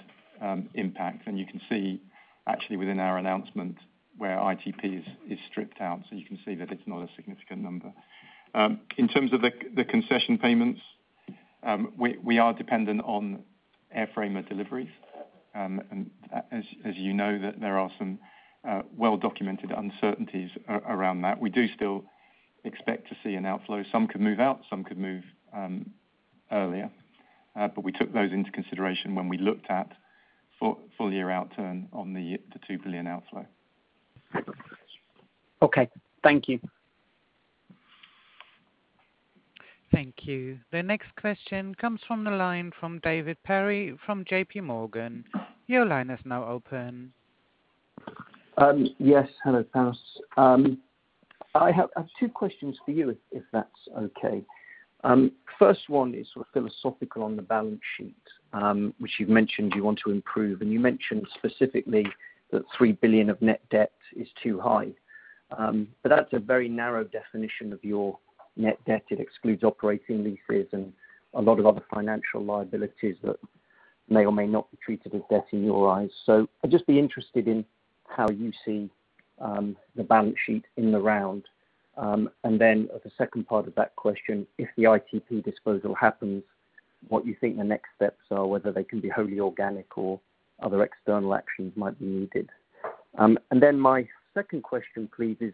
impact. You can see actually within our announcement where ITP is stripped out, so you can see that it's not a significant number. In terms of the concession payments, we are dependent on airframer deliveries. As you know that there are some well-documented uncertainties around that. We do still expect to see an outflow. Some could move out, some could move earlier. We took those into consideration when we looked at full year outturn on the 2 billion outflow. Okay. Thank you. Thank you. The next question comes from the line from David Perry, from JPMorgan. Your line is now open. Yes. Hello, Panos. I have two questions for you, if that's okay. First one is sort of philosophical on the balance sheet, which you've mentioned you want to improve, and you mentioned specifically that 3 billion of net debt is too high. That's a very narrow definition of your net debt. It excludes operating leases and a lot of other financial liabilities that may or may not be treated as debt in your eyes. I'd just be interested in how you see the balance sheet in the round. As a second part of that question, if the ITP disposal happens, what you think the next steps are, whether they can be wholly organic or other external actions might be needed. My second question please is,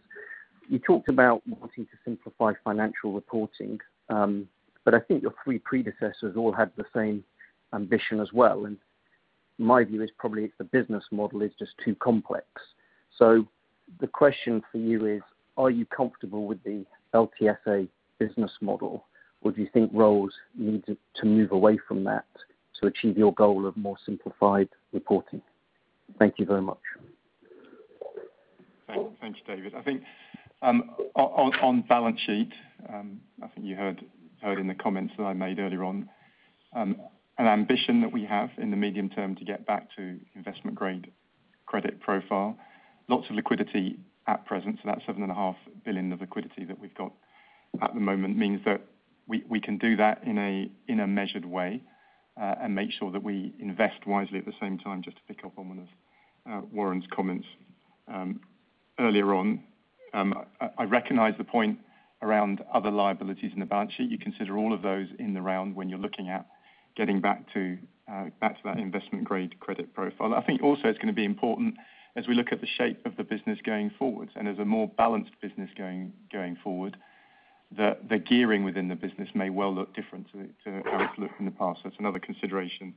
you talked about wanting to simplify financial reporting. I think your three predecessors all had the same ambition as well. My view is probably the business model is just too complex. The question for you is, are you comfortable with the LTSA business model? Do you think Rolls needs to move away from that to achieve your goal of more simplified reporting? Thank you very much. Thank you, David. I think on balance sheet, you heard in the comments that I made earlier on, an ambition that we have in the medium term to get back to investment-grade credit profile. Lots of liquidity at present, so that 7.5 billion of liquidity that we've got at the moment means that we can do that in a measured way, and make sure that we invest wisely at the same time, just to pick up on one of Warren's comments earlier on. I recognize the point around other liabilities in the balance sheet. You consider all of those in the round when you're looking at getting back to that investment-grade credit profile. I think also it's going to be important as we look at the shape of the business going forward, and as a more balanced business going forward, that the gearing within the business may well look different to how it's looked in the past. That's another consideration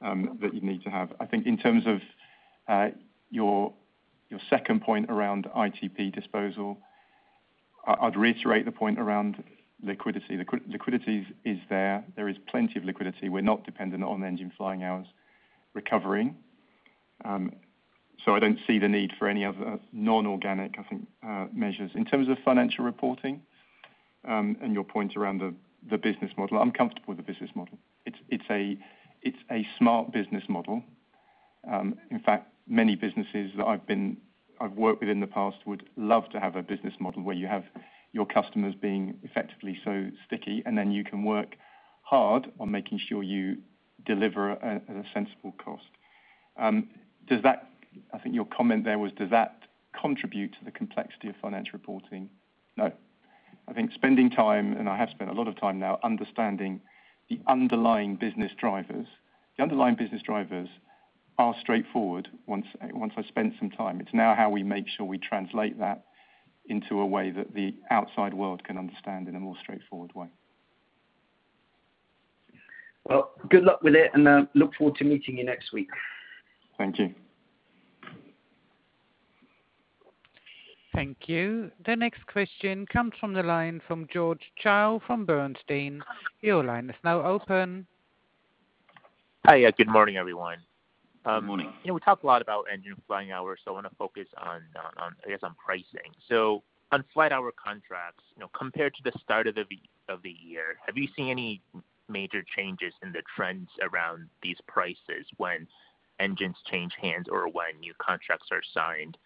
that you need to have. I think in terms of your second point around ITP disposal, I'd reiterate the point around liquidity. Liquidity is there. There is plenty of liquidity. We're not dependent on engine flying hours recovering. I don't see the need for any other non-organic, I think, measures. In terms of financial reporting, and your point around the business model, I'm comfortable with the business model. It's a smart business model. In fact, many businesses that I've worked with in the past would love to have a business model where you have your customers being effectively so sticky, and then you can work hard on making sure you deliver at a sensible cost. I think your comment there was, does that contribute to the complexity of financial reporting? No. I think spending time, and I have spent a lot of time now understanding the underlying business drivers. The underlying business drivers are straightforward once I spent some time. It's now how we make sure we translate that into a way that the outside world can understand in a more straightforward way. Well, good luck with it, and I look forward to meeting you next week. Thank you. Thank you. The next question comes from the line from George Zhao from Bernstein. Your line is now open. Hi. Good morning, everyone. Good morning. We talk a lot about engine flying hours. I want to focus on, I guess, on pricing. On flight hour contracts, compared to the start of the year, have you seen any major changes in the trends around these prices when engines change hands or when new contracts are signed?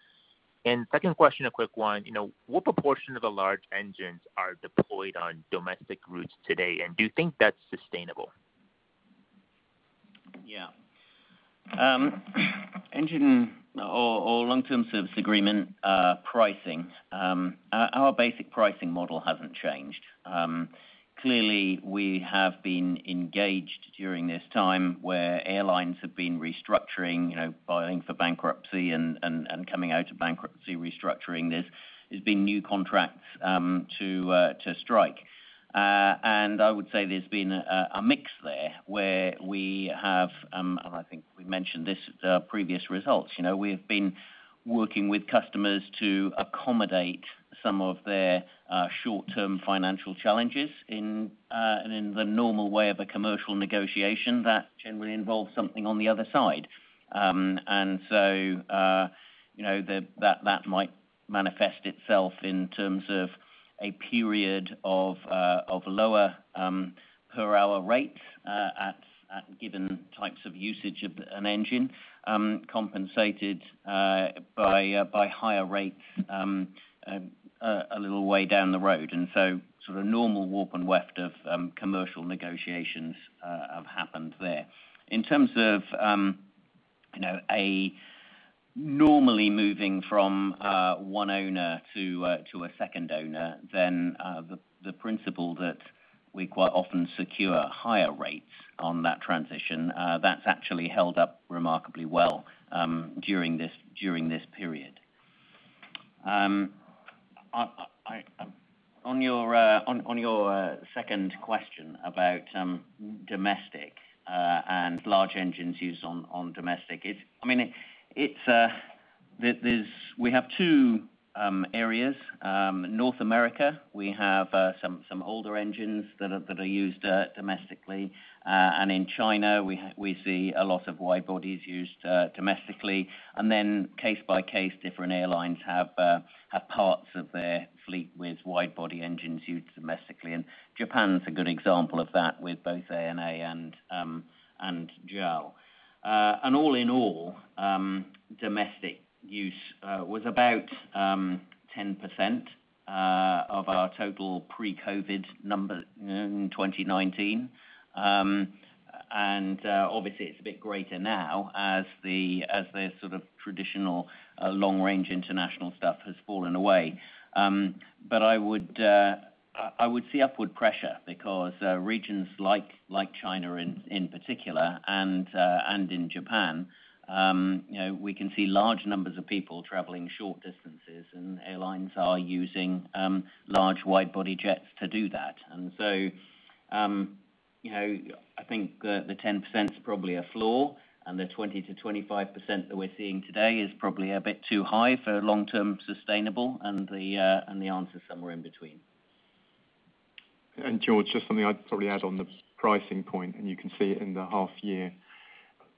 Second question, a quick one. What proportion of the large engines are deployed on domestic routes today, and do you think that's sustainable? Yeah. Engine or long-term service agreement pricing. Our basic pricing model hasn't changed. Clearly, we have been engaged during this time where airlines have been restructuring, filing for bankruptcy and coming out of bankruptcy, restructuring this. There's been new contracts to strike. I would say there's been a mix there, where we have, and I think we mentioned this at previous results. We have been working with customers to accommodate some of their short-term financial challenges in the normal way of a commercial negotiation that generally involves something on the other side. That might manifest itself in terms of a period of lower per hour rates at given types of usage of an engine, compensated by higher rates a little way down the road. Sort of normal warp and weft of commercial negotiations have happened there. In terms of a normally moving from one owner to a second owner, then the principle that we quite often secure higher rates on that transition, that's actually held up remarkably well during this period. On your second question about domestic and large engines used on domestic, we have two areas. North America, we have some older engines that are used domestically. In China, we see a lot of wide bodies used domestically. Then case by case, different airlines have parts of their fleet with wide body engines used domestically. Japan's a good example of that with both ANA and JAL. All in all, domestic use was about 10% of our total pre-COVID number in 2019. Obviously, it's a bit greater now as the traditional long-range international stuff has fallen away. I would see upward pressure because regions like China in particular and in Japan, we can see large numbers of people traveling short distances, and airlines are using large wide-body jets to do that. I think the 10% is probably a flaw, and the 20%-25% that we're seeing today is probably a bit too high for long-term sustainable, and the answer is somewhere in between. George, just something I'd probably add on the pricing point, and you can see it in the half-year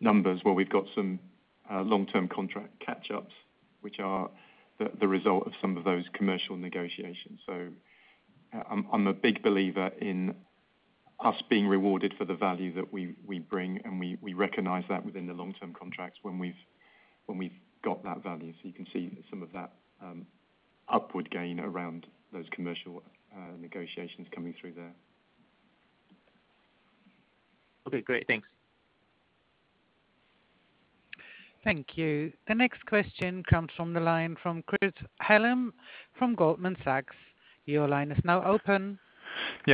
numbers where we've got some long-term contract catch-ups, which are the result of some of those commercial negotiations. I'm a big believer in us being rewarded for the value that we bring, and we recognize that within the long-term contracts when we've got that value. You can see some of that upward gain around those commercial negotiations coming through there. Okay, great. Thanks. Thank you. The next question comes from the line from Chris Hallam, from Goldman Sachs. Your line is now open.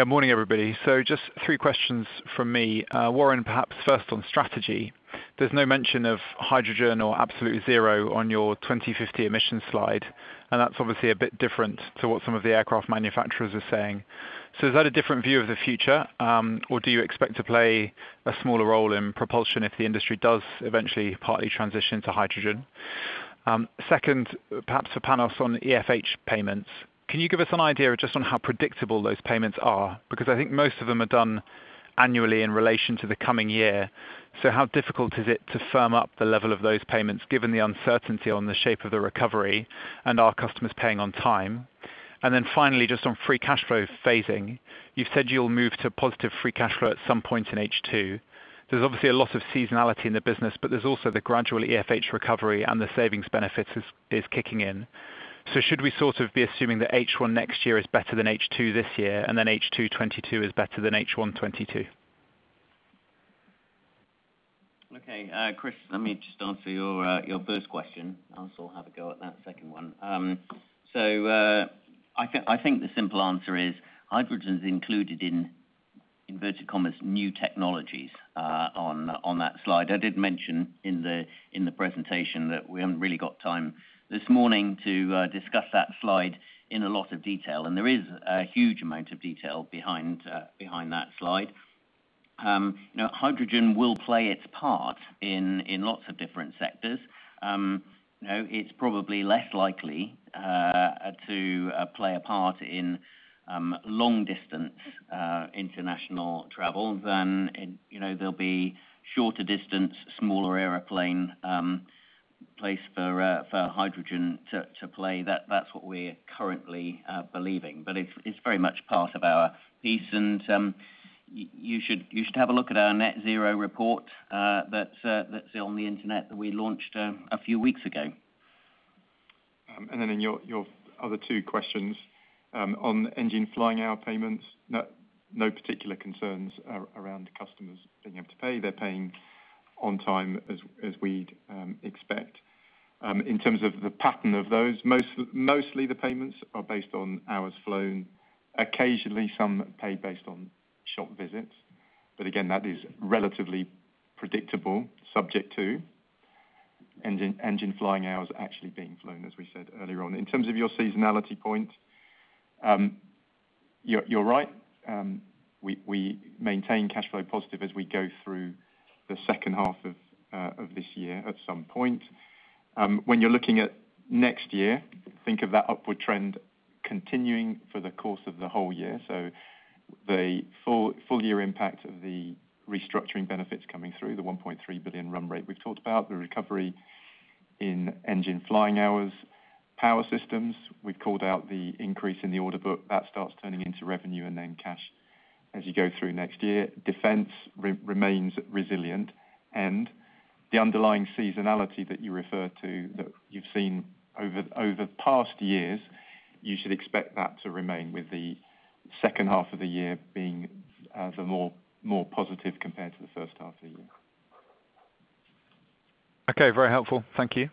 Morning, everybody. Just three questions from me. Warren, perhaps first on strategy. There's no mention of hydrogen or absolutely zero on your 2050 emissions slide. That's obviously a bit different to what some of the aircraft manufacturers are saying. Is that a different view of the future? Do you expect to play a smaller role in propulsion if the industry does eventually partly transition to hydrogen? Second, perhaps for Panos on EFH payments. Can you give us an idea just on how predictable those payments are? I think most of them are done annually in relation to the coming year. How difficult is it to firm up the level of those payments, given the uncertainty on the shape of the recovery and our customers paying on time? Finally, just on free cash flow phasing. You've said you'll move to positive free cash flow at some point in H2. There's obviously a lot of seasonality in the business, but there's also the gradual EFH recovery and the savings benefits is kicking in. Should we be assuming that H1 next year is better than H2 this year, and then H2 2022 is better than H1 2022? Chris, let me just answer your first question. I also have a go at that second one. I think the simple answer is hydrogen's included in inverted commas, new technologies on that slide. I did mention in the presentation that we haven't really got time this morning to discuss that slide in a lot of detail. There is a huge amount of detail behind that slide. Hydrogen will play its part in lots of different sectors. It's probably less likely to play a part in long-distance international travel than there'll be shorter distance, smaller airplane place for hydrogen to play. That's what we're currently believing. It's very much part of our piece. You should have a look at our Net Zero Report that's on the internet that we launched a few weeks ago. In your other two questions, on engine flying hour payments, no particular concerns around customers being able to pay. They're paying on time as we'd expect. In terms of the pattern of those, mostly the payments are based on hours flown. Occasionally, some are paid based on shop visits. That is relatively predictable, subject to engine flying hours actually being flown, as we said earlier on. In terms of your seasonality point, you're right. We maintain cash flow positive as we go through the second half of this year at some point. When you're looking at next year, think of that upward trend continuing for the course of the whole year. The full year impact of the restructuring benefits coming through, the 1.3 billion run rate we've talked about, the recovery in engine flying hours, power systems. We've called out the increase in the order book. That starts turning into revenue and then cash as you go through next year. Defense remains resilient. The underlying seasonality that you refer to that you've seen over past years, you should expect that to remain with the second half of the year being the more positive compared to the first half of the year. Okay. Very helpful. Thank you.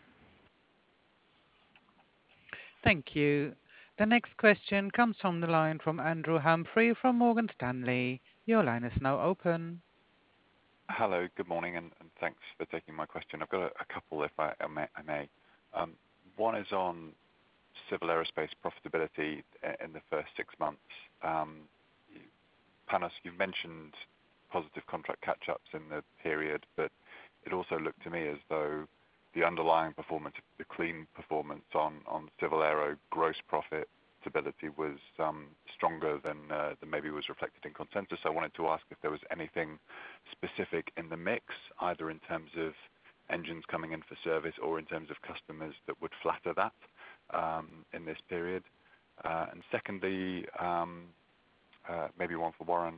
Thank you. The next question comes from the line from Andrew Humphrey from Morgan Stanley. Your line is now open. Hello. Good morning, and thanks for taking my question. I've got a couple, if I may. One is on civil aerospace profitability in the first six months. Panos, you mentioned positive contract catch-ups in the period, but it also looked to me as though the underlying performance, the clean performance on civil aero gross profitability was stronger than maybe was reflected in consensus. I wanted to ask if there was anything specific in the mix, either in terms of engines coming in for service or in terms of customers that would flatter that in this period. Secondly, maybe one for Warren.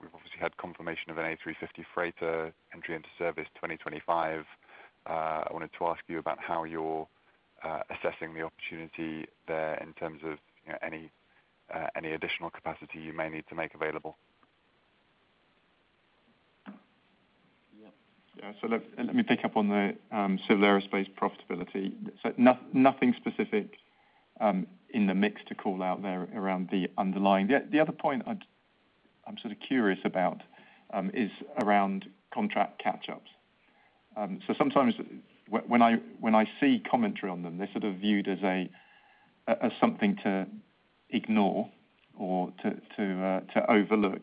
We've obviously had confirmation of an A350 freighter entry into service 2025. I wanted to ask you about how you're assessing the opportunity there in terms of any additional capacity you may need to make available. Let me pick up on the civil aerospace profitability. Nothing specific in the mix to call out there around the underlying. The other point I'm sort of curious about is around contract catch-ups. Sometimes when I see commentary on them, they're sort of viewed as something to ignore or to overlook.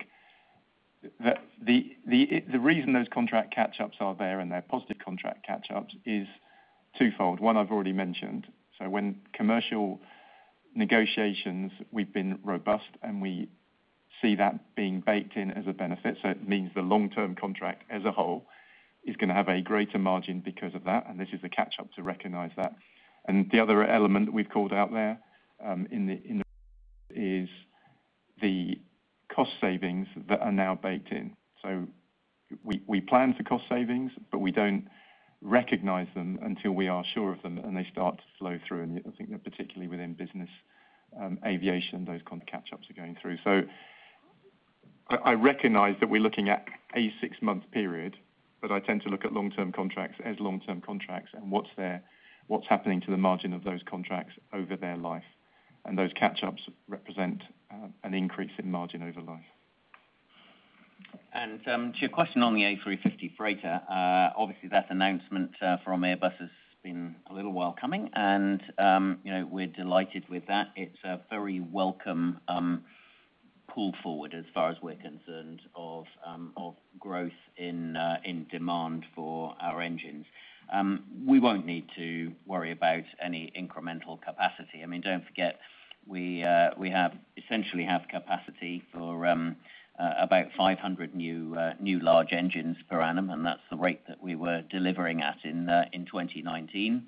The reason those contract catch-ups are there, and they're positive contract catch-ups, is twofold. One I've already mentioned. When commercial negotiations, we've been robust, and we see that being baked in as a benefit. It means the long-term contract as a whole is going to have a greater margin because of that, and this is the catch-up to recognize that. The other element that we've called out there in the is the cost savings that are now baked in. We plan for cost savings, but we don't recognize them until we are sure of them and they start to flow through. I think that particularly within business aviation, those kind of catch-ups are going through. I recognize that we're looking at a six-month period, but I tend to look at long-term contracts as long-term contracts and what's happening to the margin of those contracts over their life. Those catch-ups represent an increase in margin over life. To your question on the A350 freighter, obviously, that announcement from Airbus has been a little while coming, and we're delighted with that. It's a very welcome pull forward as far as we're concerned of growth in demand for our engines. We won't need to worry about any incremental capacity. Don't forget, we essentially have capacity for about 500 new large engines per annum, and that's the rate that we were delivering at in 2019.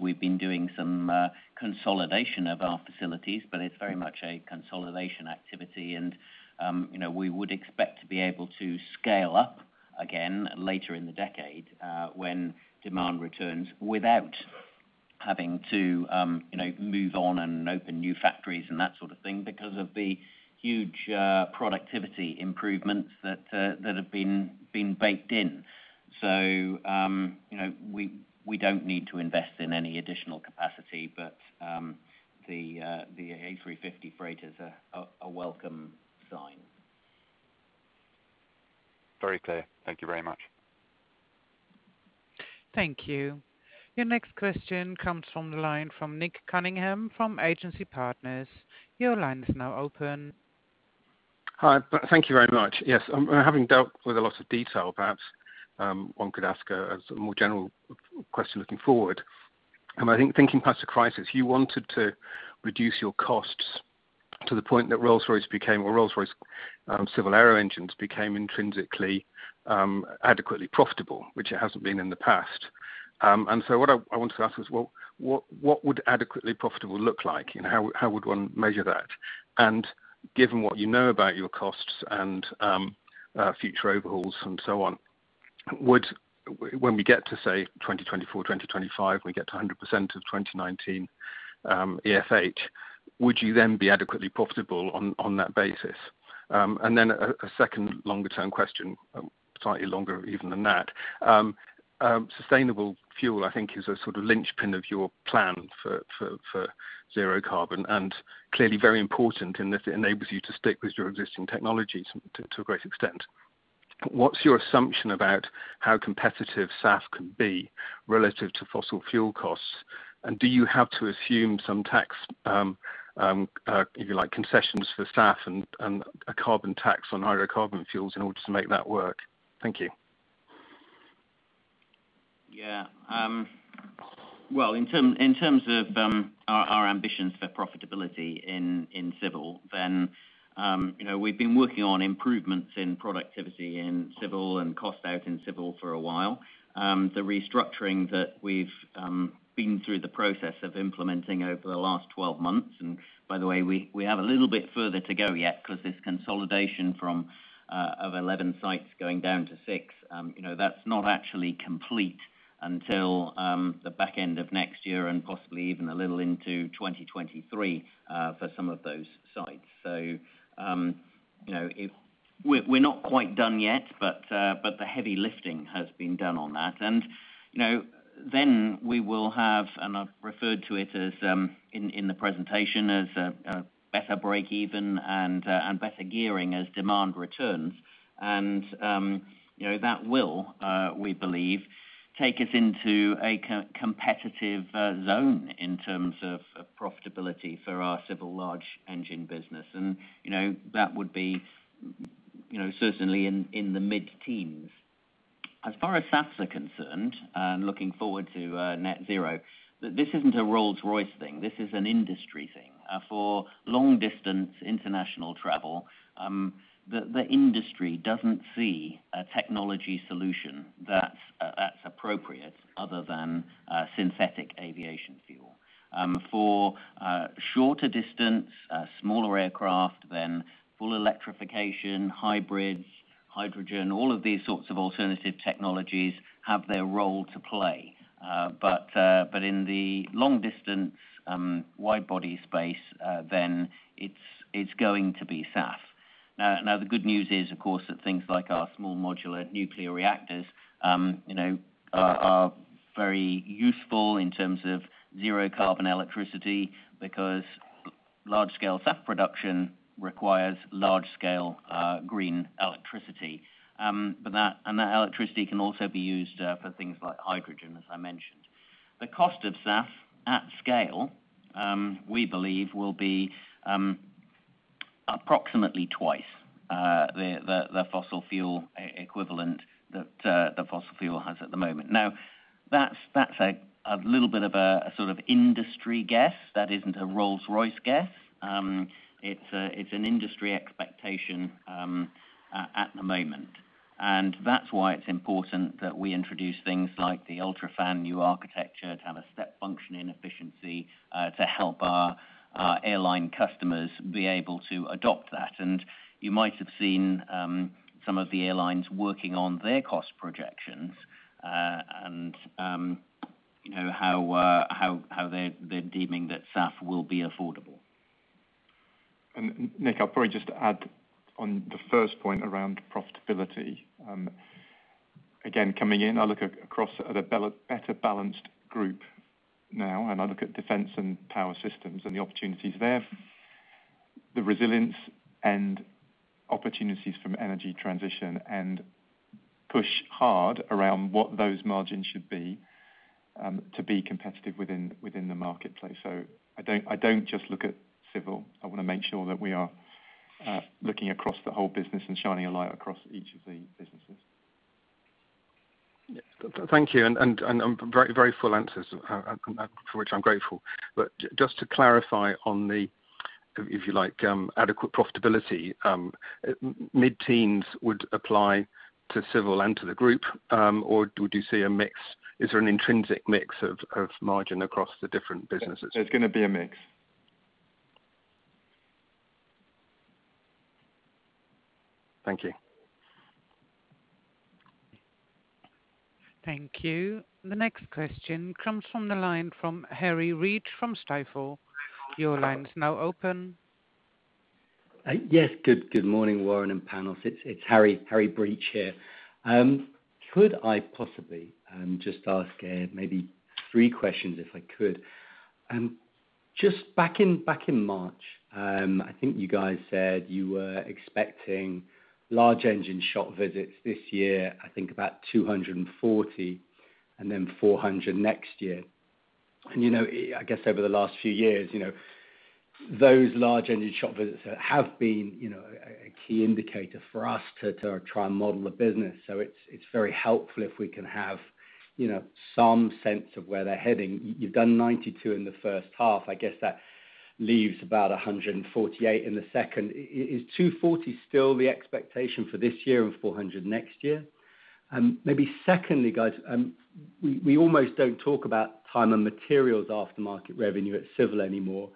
We've been doing some consolidation of our facilities, but it's very much a consolidation activity, and we would expect to be able to scale up again later in the decade when demand returns without having to move on and open new factories and that sort of thing because of the huge productivity improvements that have been baked in. We don't need to invest in any additional capacity, but the A350 freighter is a welcome sign. Very clear. Thank you very much. Thank you. Your next question comes from the line from Nick Cunningham from Agency Partners. Hi. Thank you very much. Yes. Having dealt with a lot of detail, perhaps, one could ask a more general question looking forward. I think thinking past the crisis, you wanted to reduce your costs to the point that Rolls-Royce became, or Rolls-Royce civil aero engines became intrinsically adequately profitable, which it hasn't been in the past. What I want to ask is, well, what would adequately profitable look like, and how would one measure that? Given what you know about your costs and future overhauls and so on, when we get to, say, 2024, 2025, we get to 100% of 2019 EFH, would you then be adequately profitable on that basis? Then a second longer-term question, slightly longer even than that. Sustainable fuel, I think, is a sort of linchpin of your plan for zero carbon and clearly very important in that it enables you to stick with your existing technologies to a great extent. What's your assumption about how competitive SAF can be relative to fossil fuel costs? Do you have to assume some tax, if you like, concessions for SAF and a carbon tax on hydrocarbon fuels in order to make that work? Thank you. Well, in terms of our ambitions for profitability in civil, we've been working on improvements in productivity in civil and cost out in civil for a while. The restructuring that we've been through the process of implementing over the last 12 months, by the way, we have a little bit further to go yet because this consolidation of 11 sites going down to six. That's not actually complete until the back end of next year and possibly even a little into 2023 for some of those sites. We're not quite done yet, the heavy lifting has been done on that. We will have, I've referred to it in the presentation as a better breakeven and better gearing as demand returns. That will, we believe, take us into a competitive zone in terms of profitability for our civil large engine business. That would be certainly in the mid-teens. As far as SAFs are concerned, looking forward to net zero, this isn't a Rolls-Royce thing. This is an industry thing. For long-distance international travel. The industry doesn't see a technology solution that's appropriate other than synthetic aviation fuel. For shorter distance, smaller aircraft, full electrification, hybrids, hydrogen, all of these sorts of alternative technologies have their role to play. In the long-distance, wide-body space, it's going to be SAF. The good news is, of course, that things like our small modular reactors are very useful in terms of zero carbon electricity because large-scale SAF production requires large-scale green electricity. That electricity can also be used for things like hydrogen, as I mentioned. The cost of SAF at scale, we believe will be approximately twice the fossil fuel equivalent that the fossil fuel has at the moment. That's a little bit of a sort of industry guess. That isn't a Rolls-Royce guess. It's an industry expectation at the moment, that's why it's important that we introduce things like the UltraFan new architecture to have a step function in efficiency to help our airline customers be able to adopt that. You might have seen some of the airlines working on their cost projections, and how they're deeming that SAF will be affordable. Nick, I'll probably just add on the first point around profitability. Coming in, I look across at a better balanced group now, and I look at defense and power systems and the opportunities there, the resilience and opportunities from energy transition, and push hard around what those margins should be to be competitive within the marketplace. I don't just look at civil. I want to make sure that we are looking across the whole business and shining a light across each of the businesses. Thank you, and very full answers, for which I'm grateful. Just to clarify on the, if you like, adequate profitability, mid-teens would apply to civil and to the group, or do you see a mix? Is there an intrinsic mix of margin across the different businesses? There's going to be a mix. Thank you. Thank you. The next question comes from the line from Harry Breach from Stifel. Your line's now open. Yes. Good morning, Warren and Panos. It's Harry Breach here. Could I possibly just ask maybe three questions if I could? Back in March, I think you guys said you were expecting large engine shop visits this year, I think about 240, and then 400 next year. I guess over the last few years, those large engine shop visits have been a key indicator for us to try and model the business. It's very helpful if we can have some sense of where they're heading. You've done 92 in the first half. I guess that leaves about 148 in the second. Is 240 still the expectation for this year and 400 next year? Maybe secondly, guys, we almost don't talk about time and materials aftermarket revenue at civil anymore.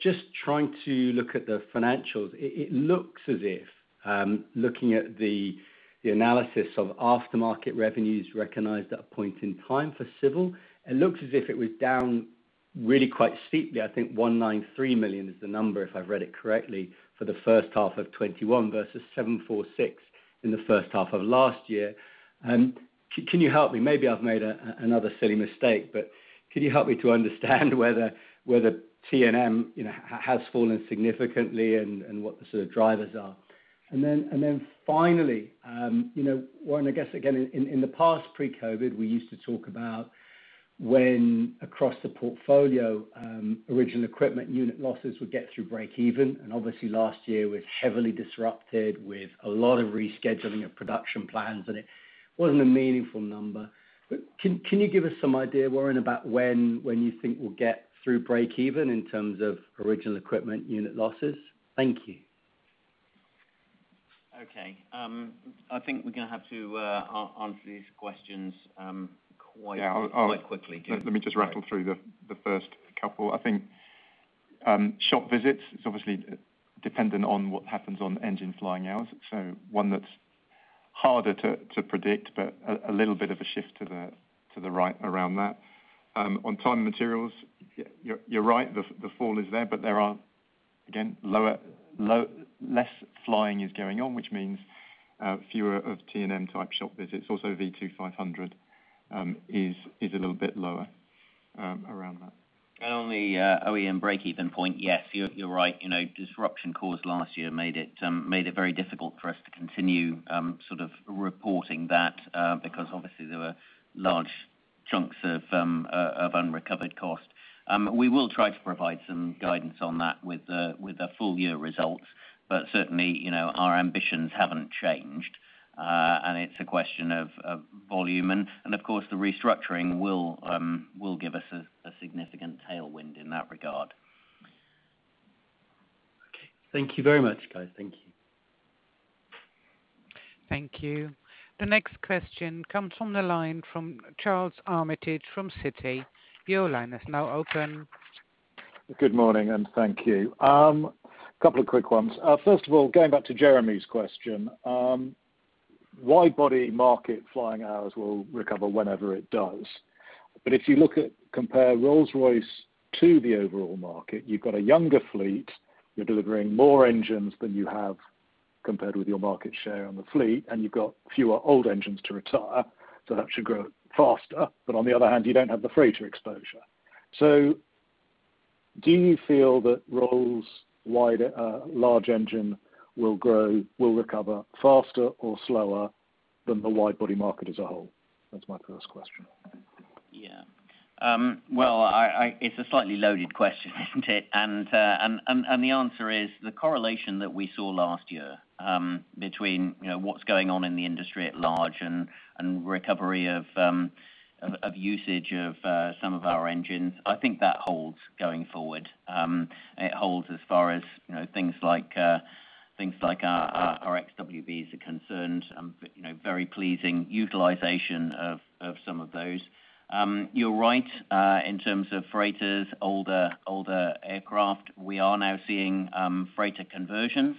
Just trying to look at the financials, it looks as if, looking at the analysis of aftermarket revenues recognized at a point in time for civil, it looks as if it was down really quite steeply. I think 193 million is the number, if I've read it correctly, for the first half of 2021 versus 746 million in the first half of last year. Can you help me? Maybe I've made another silly mistake, but can you help me to understand whether T&M has fallen significantly and what the sort of drivers are? Finally, Warren, I guess again, in the past pre-COVID, we used to talk about when across the portfolio, original equipment unit losses would get through break even, and obviously last year was heavily disrupted with a lot of rescheduling of production plans, and it wasn't a meaningful number. Can you give us some idea, Warren, about when you think we'll get through break even in terms of original equipment unit losses? Thank you. Okay. I think we're going to have to answer these questions quite quickly. Let me just rattle through the first couple. I think shop visits, it's obviously dependent on what happens on engine flying hours. One that's harder to predict, but a little bit of a shift to the right around that. On time and materials, you're right, the fall is there, but there are, again, less flying is going on, which means fewer of T&M type shop visits. Also V2500 is a little bit lower around that. On the OEM break-even point, yes, you're right. Disruption caused last year made it very difficult for us to continue reporting that because obviously there were large chunks of unrecovered cost. We will try to provide some guidance on that with the full-year results. Certainly, our ambitions haven't changed. It's a question of volume and of course, the restructuring will give us a significant tailwind in that regard. Thank you very much, guys. Thank you. Thank you. The next question comes from the line from Charles Armitage from Citi. Your line is now open. Good morning, thank you. Couple of quick ones. First of all, going back to Jeremy's question, wide body market flying hours will recover whenever it does. If you compare Rolls-Royce to the overall market, you've got a younger fleet, you're delivering more engines than you have compared with your market share on the fleet, and you've got fewer old engines to retire, so that should grow faster. On the other hand, you don't have the freighter exposure. Do you feel that Rolls' large engine will recover faster or slower than the wide body market as a whole? That's my first question. Yeah. Well, it's a slightly loaded question, isn't it? The answer is the correlation that we saw last year, between what's going on in the industry at large and recovery of usage of some of our engines, I think that holds going forward. It holds as far as things like our XWBs are concerned, very pleasing utilization of some of those. You're right, in terms of freighters, older aircraft. We are now seeing freighter conversions,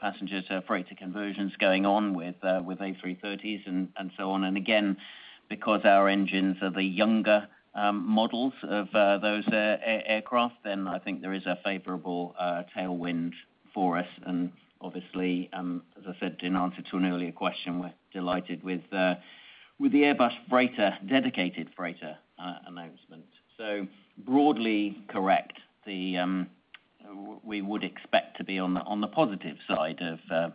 passenger to freighter conversions going on with A330s and so on. Again, because our engines are the younger models of those aircraft, then I think there is a favorable tailwind for us. Obviously, as I said in answer to an earlier question, we're delighted with the Airbus dedicated freighter announcement. Broadly correct. We would expect to be on the positive side of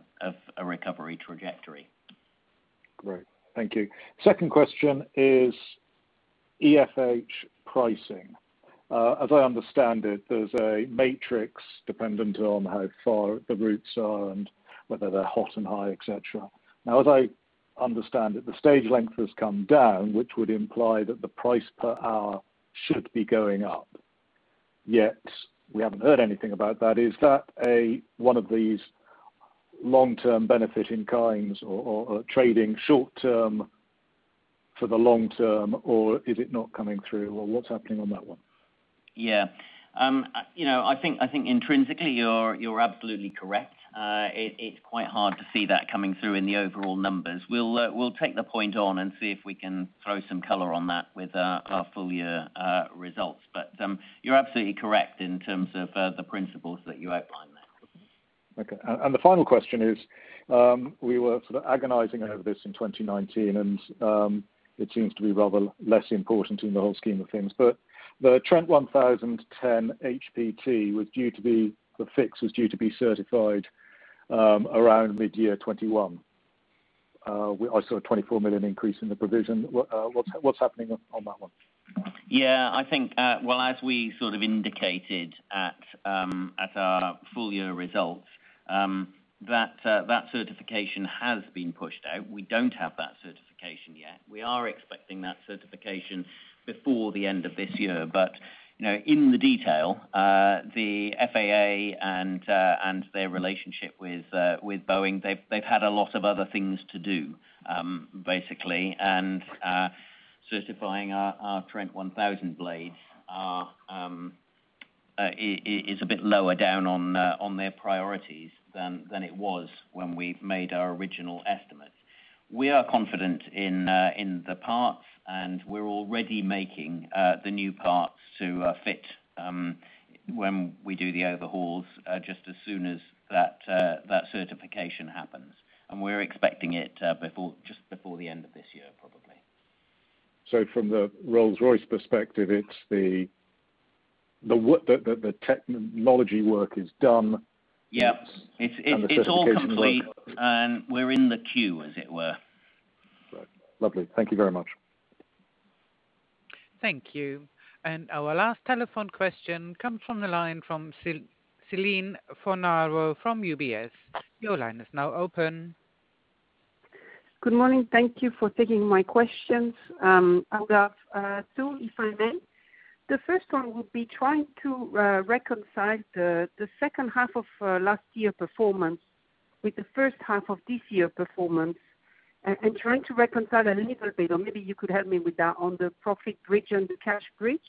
a recovery trajectory. Great. Thank you. Second question is EFH pricing. As I understand it, there's a matrix dependent on how far the routes are and whether they're hot and high, et cetera. As I understand it, the stage length has come down, which would imply that the price per hour should be going up. We haven't heard anything about that. Is that one of these long-term benefiting kinds or trading short-term for the long term, or is it not coming through, or what's happening on that one? Yeah. I think intrinsically, you're absolutely correct. It's quite hard to see that coming through in the overall numbers. We'll take the point on and see if we can throw some color on that with our full year results. You're absolutely correct in terms of the principles that you outlined there. Okay. The final question is, we were sort of agonizing over this in 2019 and it seems to be rather less important in the whole scheme of things. The Trent 1000 TEN HPT, the fix was due to be certified around mid-year 2021. I saw a 24 million increase in the provision. What's happening on that one? Yeah, I think, well, as we indicated at our full year results, that certification has been pushed out. We don't have that certification yet. We are expecting that certification before the end of this year. In the detail, the FAA and their relationship with Boeing, they've had a lot of other things to do, basically. Certifying our Trent 1000 blades is a bit lower down on their priorities than it was when we made our original estimates. We are confident in the parts, and we're already making the new parts to fit, when we do the overhauls, just as soon as that certification happens. We're expecting it just before the end of this year, probably. From the Rolls-Royce perspective, the technology work is done. Yep. The certification work. It's all complete. We're in the queue, as it were. Right. Lovely. Thank you very much. Thank you. Our last telephone question comes from the line from Céline Fornaro from UBS. Your line is now open. Good morning. Thank you for taking my questions. I have two, if I may. The first one would be trying to reconcile the second half of last year performance with the first half of this year performance and trying to reconcile a little bit, or maybe you could help me with that, on the profit bridge and the cash bridge.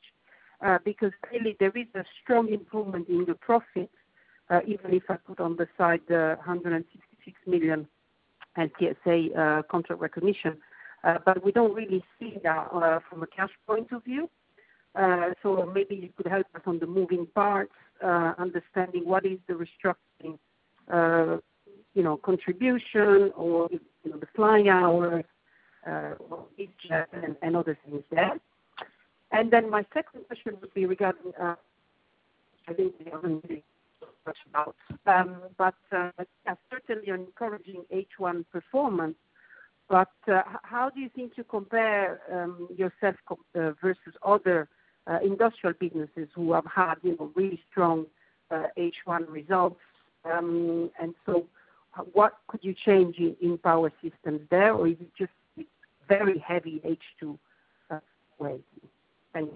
Clearly there is a strong improvement in the profit, even if I put on the side the 166 million and LTSA contract recognition. We don't really see that from a cash point of view. Maybe you could help us on the moving parts, understanding what is the restructuring contribution or the flying hours, or each, and other things there. My second question would be regarding, I think the other thing you talked about. A certainly encouraging H1 performance, but how do you think you compare yourself versus other industrial businesses who have had really strong H1 results? What could you change in Power Systems there, or is it just very heavy H2 weighting? Thanks.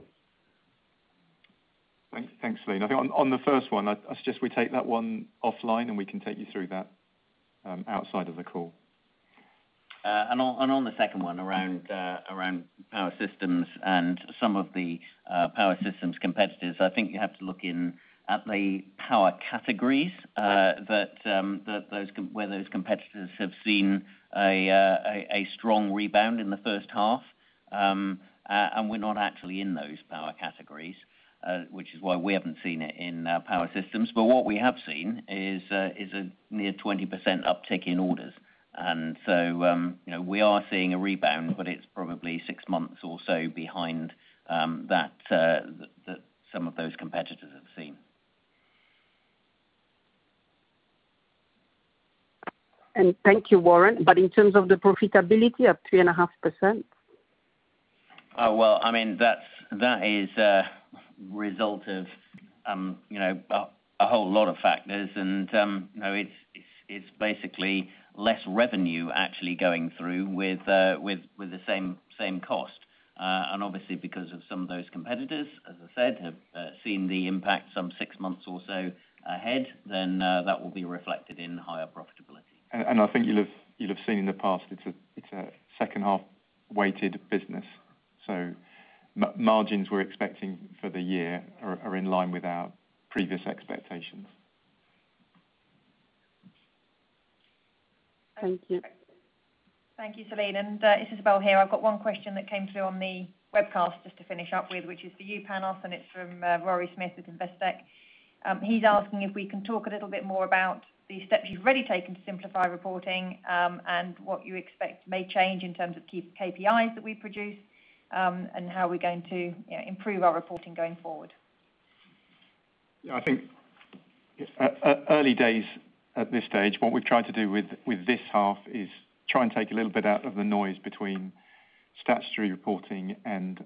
Thanks, Céline. I think on the first one, I suggest we take that one offline, and we can take you through that outside of the call. On the second one, around Power Systems and some of the Power Systems competitors, I think you have to look in at the power categories where those competitors have seen a strong rebound in the first half. We're not actually in those power categories, which is why we haven't seen it in our Power Systems. What we have seen is a near 20% uptick in orders. We are seeing a rebound, but it's probably six months or so behind that some of those competitors have seen. Thank you, Warren. In terms of the profitability of 3.5%? Well, that is a result of a whole lot of factors. It's basically less revenue actually going through with the same cost. Obviously, because of some of those competitors, as I said, have seen the impact some six months or so ahead, then that will be reflected in higher profitability. I think you'll have seen in the past, it's a second-half weighted business. Margins we're expecting for the year are in line with our previous expectations. Thank you. Thank you, Céline. Isabel here. I've got one question that came through on the webcast just to finish up with, which is for you, Panos, and it's from Rory Smith at Investec. He's asking if we can talk a little bit more about the steps you've already taken to simplify reporting, and what you expect may change in terms of key KPIs that we produce, and how we're going to improve our reporting going forward. I think it's early days at this stage. What we've tried to do with this half is try and take a little bit out of the noise between statutory reporting and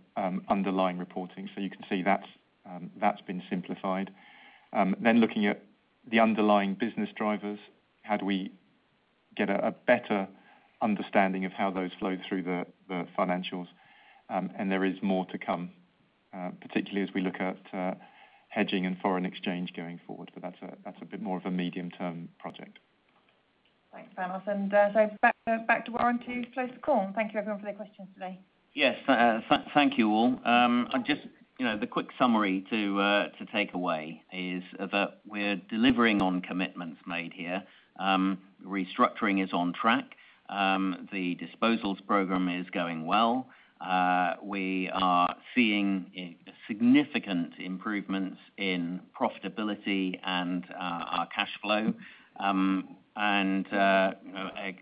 underlying reporting. You can see that's been simplified. Looking at the underlying business drivers, how do we get a better understanding of how those flow through the financials? There is more to come, particularly as we look at hedging and foreign exchange going forward. That's a bit more of a medium-term project. Thanks, Panos. Back to Warren to close the call. Thank you everyone for their questions today. Yes. Thank you, all. The quick summary to take away is that we're delivering on commitments made here. Restructuring is on track. The disposals program is going well. We are seeing significant improvements in profitability and our cash flow.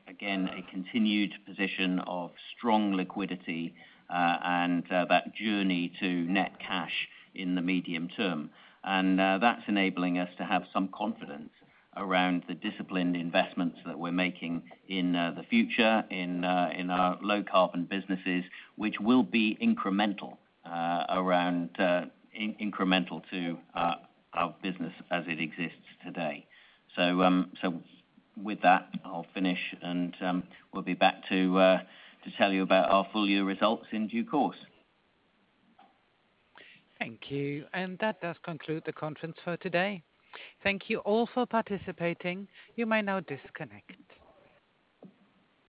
Again, a continued position of strong liquidity, and that journey to net cash in the medium term. That's enabling us to have some confidence around the disciplined investments that we're making in the future in our low-carbon businesses, which will be incremental to our business as it exists today. With that, I'll finish, and we'll be back to tell you about our full-year results in due course. Thank you. That does conclude the conference for today. Thank you all for participating. You may now disconnect.